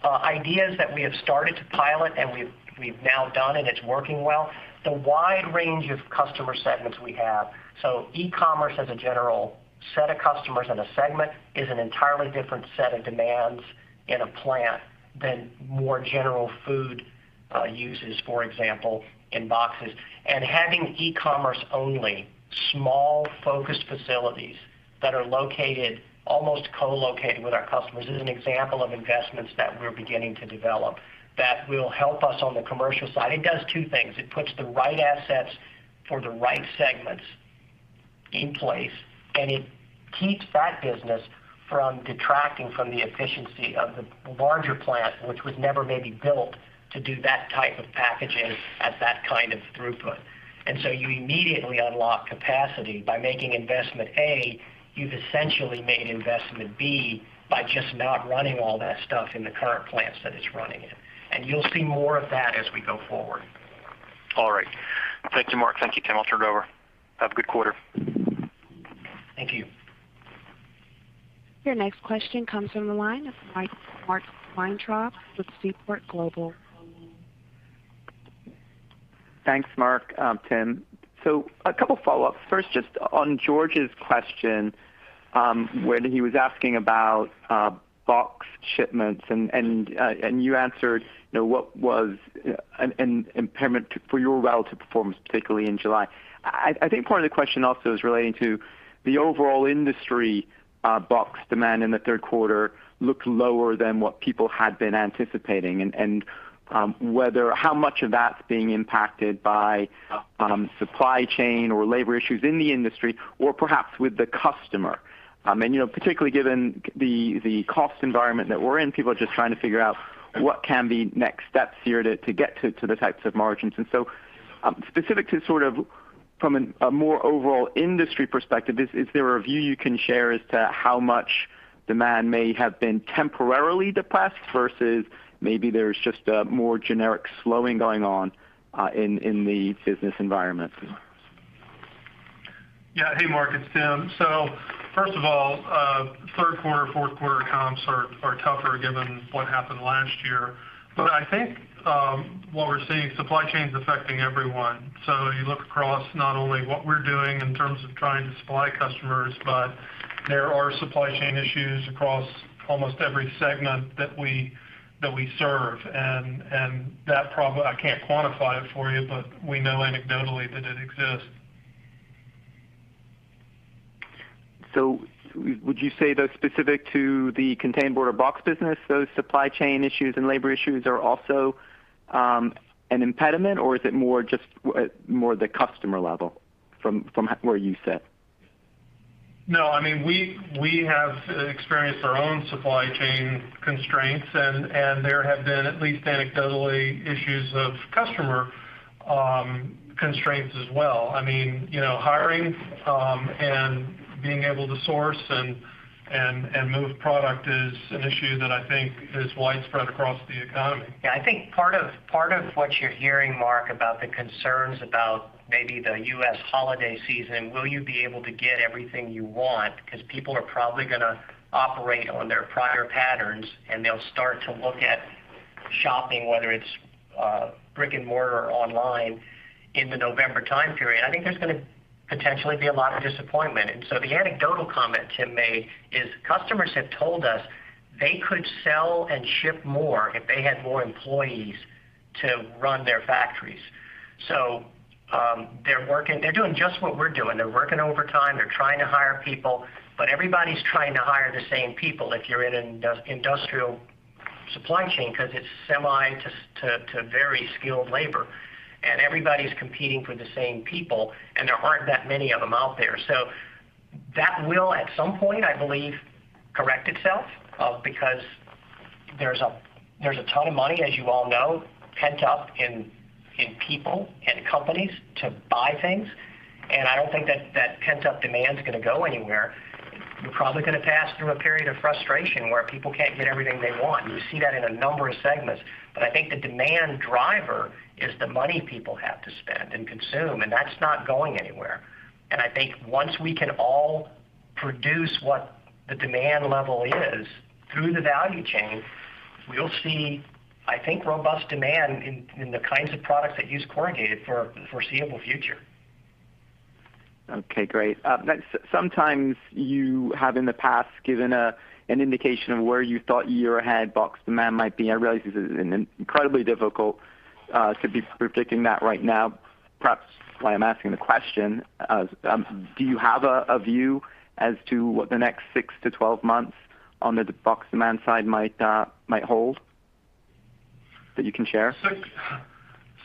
ideas that we have started to pilot and we've now done and it's working well, the wide range of customer segments we have. E-commerce as a general set of customers and a segment is an entirely different set of demands in a plant than more general food uses, for example, in boxes. Having e-commerce only small focused facilities that are located, almost co-located with our customers is an example of investments that we're beginning to develop that will help us on the commercial side. It does two things. It puts the right assets for the right segments in place, and it keeps that business from detracting from the efficiency of the larger plant, which was never maybe built to do that type of packaging at that kind of throughput. You immediately unlock capacity. By making investment A, you've essentially made investment B by just not running all that stuff in the current plants that it's running in. You'll see more of that as we go forward. All right. Thank you, Mark. Thank you, Tim. I'll turn it over. Have a good quarter. Thank you. Your next question comes from the line of Mark Weintraub with Seaport Global. Thanks, Mark, Tim. So a couple follow-ups. First, just on George's question, when he was asking about box shipments and you answered, you know, what was an impairment to your relative performance, particularly in July. I think part of the question also is relating to the overall industry box demand in the third quarter looked lower than what people had been anticipating. Whether, how much of that's being impacted by supply chain or labor issues in the industry or perhaps with the customer. You know, particularly given the cost environment that we're in, people are just trying to figure out what can be next steps here to get to the types of margins. Specific to sort of from a more overall industry perspective, is there a view you can share as to how much demand may have been temporarily depressed versus maybe there's just a more generic slowing going on, in the business environment? Yeah. Hey, Mark, it's Tim. First of all, third quarter, fourth quarter comps are tougher given what happened last year. I think what we're seeing, supply chain's affecting everyone. You look across not only what we're doing in terms of trying to supply customers, but there are supply chain issues across almost every segment that we serve. I can't quantify it for you, but we know anecdotally that it exists. Would you say, though, specific to the containerboard or box business, those supply chain issues and labor issues are also an impediment, or is it more just more the customer level from where you sit? No. I mean, we have experienced our own supply chain constraints, and there have been, at least anecdotally, issues of customer constraints as well. I mean, you know, hiring and being able to source and move product is an issue that I think is widespread across the economy. Yeah, I think part of what you're hearing, Mark, about the concerns about maybe the U.S. holiday season, will you be able to get everything you want? Because people are probably gonna operate on their prior patterns, and they'll start to look at shopping, whether it's brick and mortar or online in the November time period. I think there's gonna potentially be a lot of disappointment. The anecdotal comment Tim made is customers have told us they could sell and ship more if they had more employees to run their factories. They're doing just what we're doing. They're working overtime. They're trying to hire people, but everybody's trying to hire the same people if you're in an industrial supply chain because it's semi- to very skilled labor. Everybody's competing for the same people, and there aren't that many of them out there. That will, at some point, I believe, correct itself, because there's a ton of money, as you all know, pent up in people and companies to buy things. I don't think that pent-up demand's gonna go anywhere. You're probably gonna pass through a period of frustration where people can't get everything they want, and you see that in a number of segments. I think the demand driver is the money people have to spend and consume, and that's not going anywhere. I think once we can all produce what the demand level is through the value chain, we'll see, I think, robust demand in the kinds of products that use corrugated for the foreseeable future. Okay. Great. Next, sometimes you have in the past given an indication of where you thought year ahead box demand might be. I realize this is an incredibly difficult to be predicting that right now, perhaps why I'm asking the question. Do you have a view as to what the next six months to 12 months on the box demand side might hold that you can share?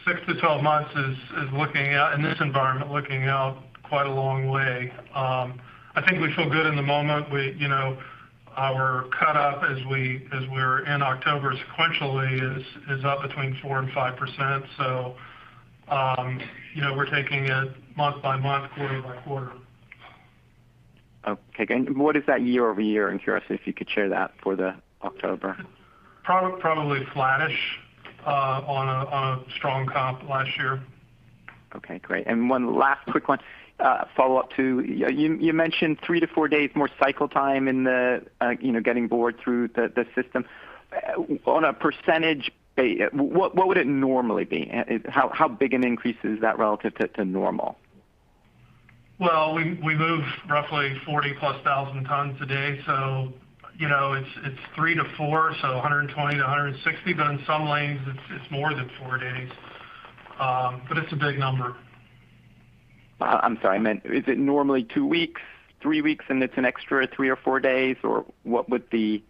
Six months to 12 months is looking out in this environment quite a long way. I think we feel good in the moment. We, you know, our cut up as we're in October sequentially is up between 4% and 5%. You know, we're taking it month by month, quarter by quarter. Okay. What is that year-over-year? I'm curious if you could share that for the October. Probably flattish on a strong comp last year. Okay, great. One last quick one, follow-up to you. You mentioned three days to four days more cycle time in the, you know, getting board through the system. On a percentage basis, what would it normally be? How big an increase is that relative to normal? Well, we move roughly 40,000+ tons a day, so you know, it's three to four, so 120 to 160, but in some lanes it's more than four days. But it's a big number. I'm sorry. I meant is it normally two weeks, three weeks, and it's an extra three or four days, or what would be?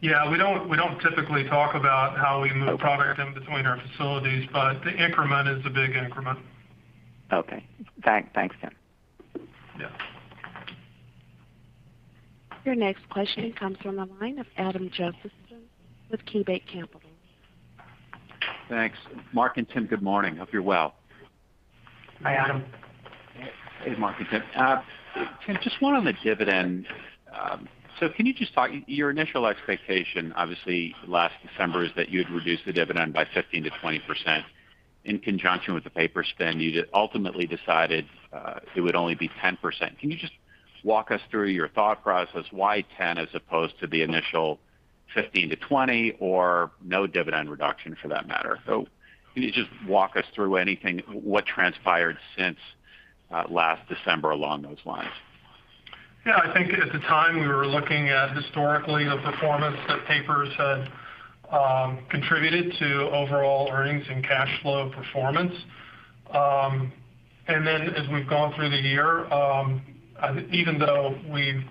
Yeah. We don't typically talk about how we move- Okay. a product in between our facilities, but the increment is a big increment. Okay. Thanks, Tim. Yeah. Your next question comes from the line of Adam Josephson with KeyBanc Capital. Thanks. Mark and Tim, good morning. Hope you're well. Hi, Adam. Hey. Hey, Mark and Tim. Tim, just one on the dividend. Can you just talk, your initial expectation obviously last December is that you'd reduce the dividend by 15% to 20%. In conjunction with the paper spin-off, you just ultimately decided it would only be 10%. Can you just walk us through your thought process why 10% as opposed to the initial 15% to 20% or no dividend reduction for that matter? Can you just walk us through anything, what transpired since last December along those lines? Yeah. I think at the time, we were looking at historically the performance that papers had contributed to overall earnings and cash flow performance. As we've gone through the year, I think even though we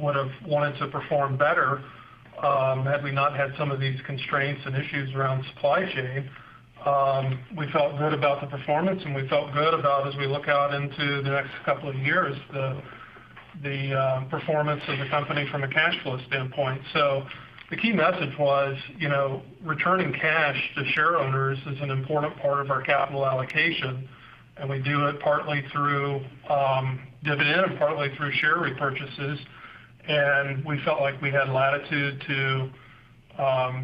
would have wanted to perform better, had we not had some of these constraints and issues around supply chain, we felt good about the performance, and we felt good about as we look out into the next couple of years, the performance of the company from a cash flow standpoint. The key message was, you know, returning cash to shareowners is an important part of our capital allocation, and we do it partly through dividend and partly through share repurchases. We felt like we had latitude to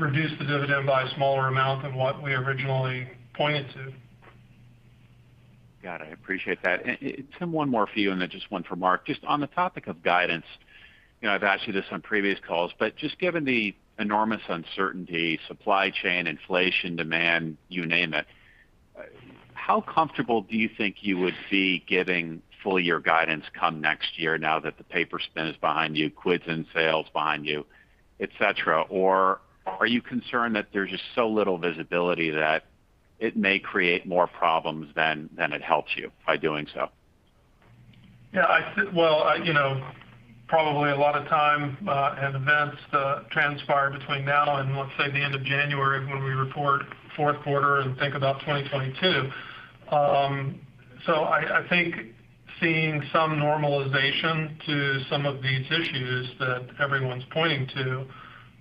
reduce the dividend by a smaller amount than what we originally pointed to. Got it. I appreciate that. Tim, one more for you, and then just one for Mark. Just on the topic of guidance, you know, I've asked you this on previous calls, but just given the enormous uncertainty, supply chain, inflation, demand, you name it, how comfortable do you think you would be giving full year guidance come next year now that the paper spin is behind you, quits in sales behind you, et cetera? Or are you concerned that there's just so little visibility that it may create more problems than it helps you by doing so? Yeah, Well, I, you know, probably a lot of time and events transpire between now and let's say the end of January when we report fourth quarter and think about 2022. I think seeing some normalization to some of these issues that everyone's pointing to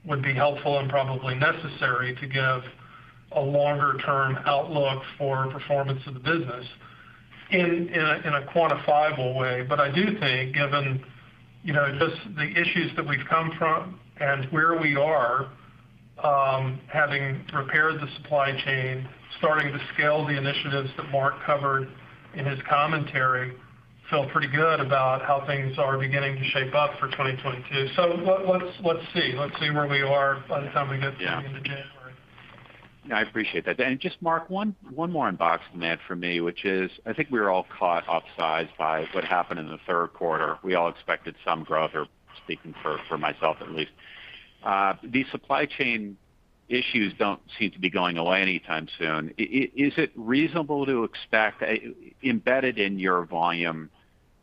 would be helpful and probably necessary to give a longer term outlook for performance of the business in a quantifiable way. But I do think given, you know, just the issues that we've come from and where we are, having repaired the supply chain, starting to scale the initiatives that Mark covered in his commentary, feel pretty good about how things are beginning to shape up for 2022. Let's see where we are by the time we get to the end of January. Yeah, I appreciate that. Just Mark, one more on boxing that for me, which is I think we were all caught off guard by what happened in the third quarter. We all expected some growth or speaking for myself at least. The supply chain issues don't seem to be going away anytime soon. Is it reasonable to expect, embedded in your volume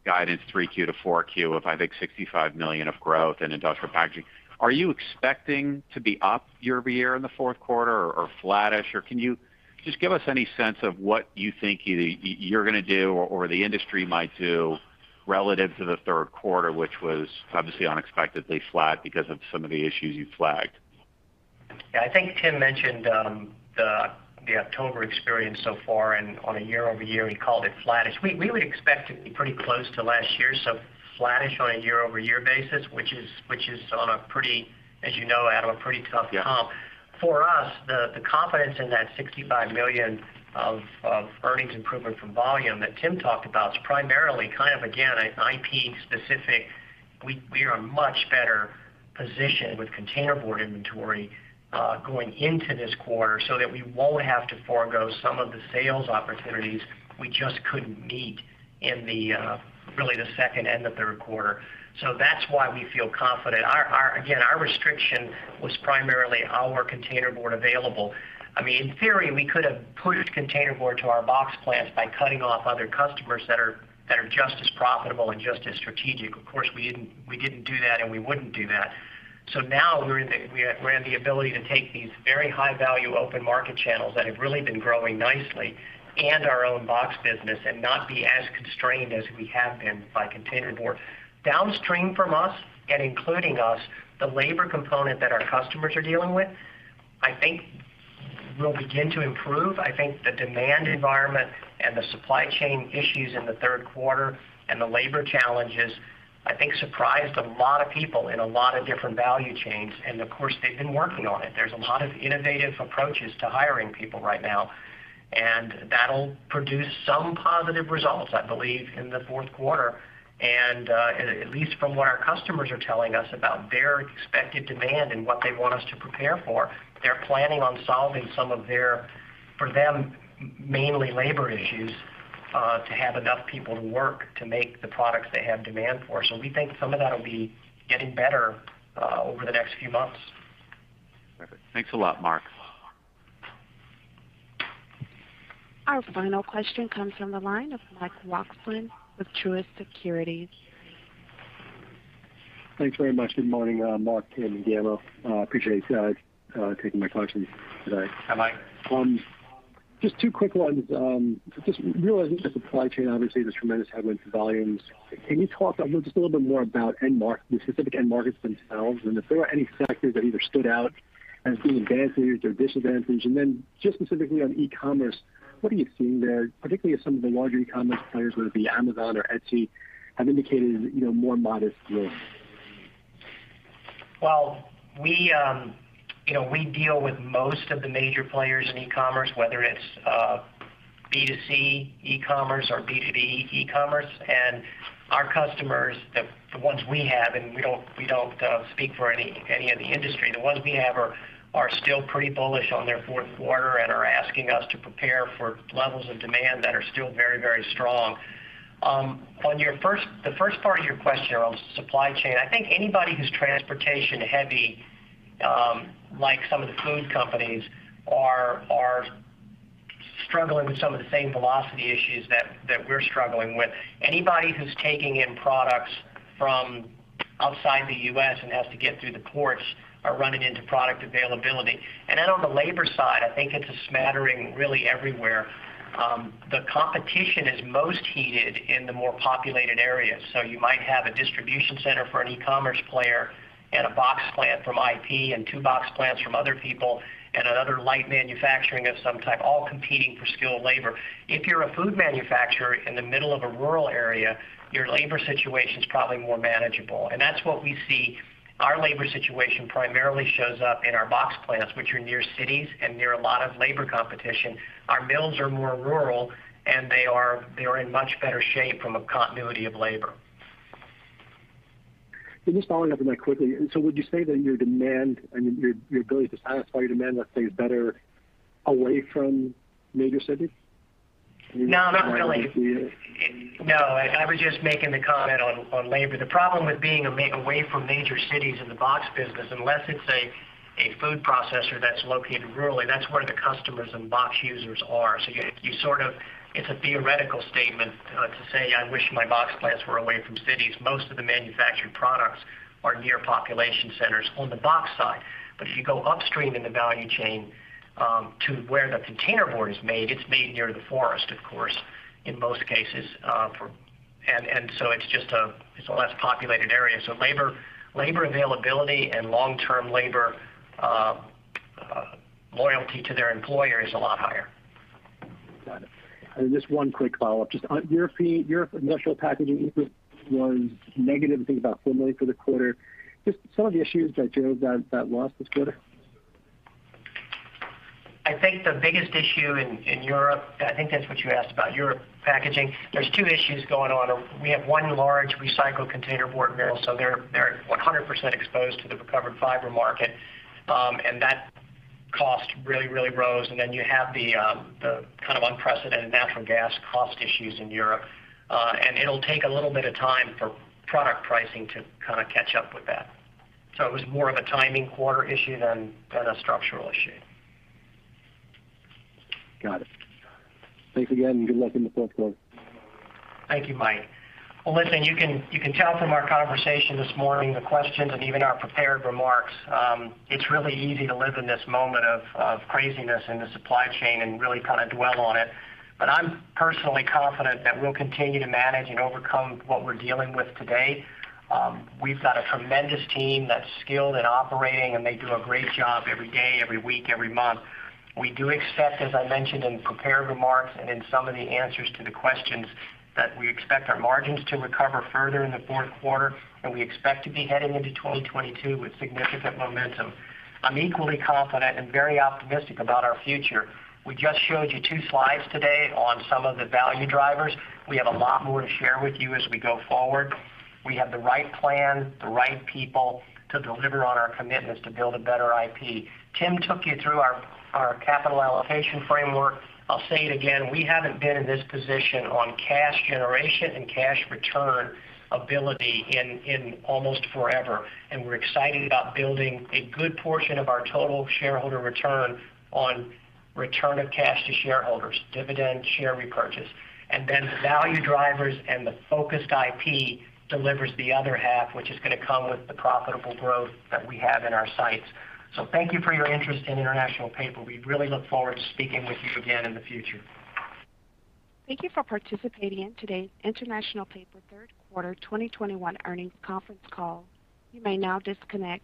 guidance, Q3 to Q4 of, I think 65 million of growth in Industrial Packaging. Are you expecting to be up year-over-year in the fourth quarter or flattish. Or can you just give us any sense of what you think you're gonna do or the industry might do relative to the third quarter, which was obviously unexpectedly flat because of some of the issues you flagged. Yeah. I think Tim mentioned the October experience so far, and on a year-over-year, he called it flattish. We would expect to be pretty close to last year, so flattish on a year-over-year basis, which is on a pretty, as you know, Adam, a pretty tough comp. Yeah. For us, the confidence in that $65 million of earnings improvement from volume that Tim talked about is primarily kind of, again, IP specific. We are much better positioned with containerboard inventory going into this quarter so that we won't have to forgo some of the sales opportunities we just couldn't meet in the really the second and the third quarter. That's why we feel confident. Our restriction was primarily our containerboard available. I mean, in theory, we could have pushed containerboard to our box plants by cutting off other customers that are just as profitable and just as strategic. Of course, we didn't do that, and we wouldn't do that. Now we're in the ability to take these very high-value open market channels that have really been growing nicely and our own box business and not be as constrained as we have been by containerboard. Downstream from us and including us, the labor component that our customers are dealing with, I think will begin to improve. I think the demand environment and the supply chain issues in the third quarter and the labor challenges, I think surprised a lot of people in a lot of different value chains, and of course, they've been working on it. There's a lot of innovative approaches to hiring people right now, and that'll produce some positive results, I believe, in the fourth quarter. At least from what our customers are telling us about their expected demand and what they want us to prepare for, they're planning on solving some of their, for them, mainly labor issues, to have enough people to work to make the products they have demand for. We think some of that will be getting better over the next few months. Perfect. Thanks a lot, Mark. Our final question comes from the line of Michael Roxland with Truist Securities. Thanks very much. Good morning, Mark, Tim, and Gambo. I appreciate you guys taking my questions today. Hi, Mike. Just two quick ones. Just realizing the supply chain, obviously, there's tremendous headwinds and volumes. Can you talk a little, just a little bit more about the specific end markets themselves, and if there are any sectors that either stood out as being advantaged or disadvantaged? Just specifically on e-commerce, what are you seeing there, particularly as some of the larger e-commerce players, whether it be Amazon or Etsy, have indicated, you know, more modest growth? Well, you know, we deal with most of the major players in e-commerce, whether it's B2C e-commerce or B2B e-commerce. Our customers, the ones we have, and we don't speak for any of the industry. The ones we have are still pretty bullish on their fourth quarter and are asking us to prepare for levels of demand that are still very, very strong. On the first part of your question around supply chain, I think anybody who's transportation-heavy, like some of the food companies are struggling with some of the same velocity issues that we're struggling with. Anybody who's taking in products from outside the U.S. and has to get through the ports are running into product availability. Then on the labor side, I think it's a smattering really everywhere. The competition is most heated in the more populated areas. You might have a distribution center for an e-commerce player and a box plant from IP and two box plants from other people and another light manufacturing of some type, all competing for skilled labor. If you're a food manufacturer in the middle of a rural area, your labor situation is probably more manageable. That's what we see. Our labor situation primarily shows up in our box plants, which are near cities and near a lot of labor competition. Our mills are more rural, and they are in much better shape from a continuity of labor. Just following up on that quickly. Would you say that your demand and your ability to satisfy your demand, let's say, is better away from major cities? No, not really. No, I was just making the comment on labor. The problem with being away from major cities in the box business, unless it's a food processor that's located rurally, that's where the customers and box users are. It's a theoretical statement to say, I wish my box plants were away from cities. Most of the manufactured products are near population centers on the box side. If you go upstream in the value chain, to where the containerboard is made, it's made near the forest, of course, in most cases. It's just a less populated area. Labor availability and long-term labor loyalty to their employer is a lot higher. Got it. Just one quick follow-up. Just on Europe. Your Industrial Packaging was negative, I think about $4 million for the quarter. Just some of the issues that drove that loss this quarter? I think the biggest issue in Europe. I think that's what you asked about Europe packaging. There are two issues going on. We have one large recycled containerboard mill, so they're 100% exposed to the recovered fiber market. That cost really rose. You have the kind of unprecedented natural gas cost issues in Europe. It'll take a little bit of time for product pricing to kind of catch up with that. It was more of a timing quarter issue than a structural issue. Got it. Thanks again and good luck in the fourth quarter. Thank you, Mike. Well, listen, you can tell from our conversation this morning, the questions and even our prepared remarks, it's really easy to live in this moment of craziness in the supply chain and really kind of dwell on it. I'm personally confident that we'll continue to manage and overcome what we're dealing with today. We've got a tremendous team that's skilled at operating, and they do a great job every day, every week, every month. We do expect, as I mentioned in prepared remarks and in some of the answers to the questions, that we expect our margins to recover further in the fourth quarter, and we expect to be heading into 2022 with significant momentum. I'm equally confident and very optimistic about our future. We just showed you two slides today on some of the value drivers. We have a lot more to share with you as we go forward. We have the right plan, the right people to deliver on our commitments to build a better IP. Tim took you through our capital allocation framework. I'll say it again, we haven't been in this position on cash generation and cash return ability in almost forever, and we're excited about building a good portion of our total shareholder return on return of cash to shareholders, dividend, share repurchase. Then the value drivers and the focused IP delivers the other half, which is going to come with the profitable growth that we have in our sights. Thank you for your interest in International Paper. We really look forward to speaking with you again in the future. Thank you for participating in today's International Paper third quarter 2021 earnings conference call. You may now disconnect.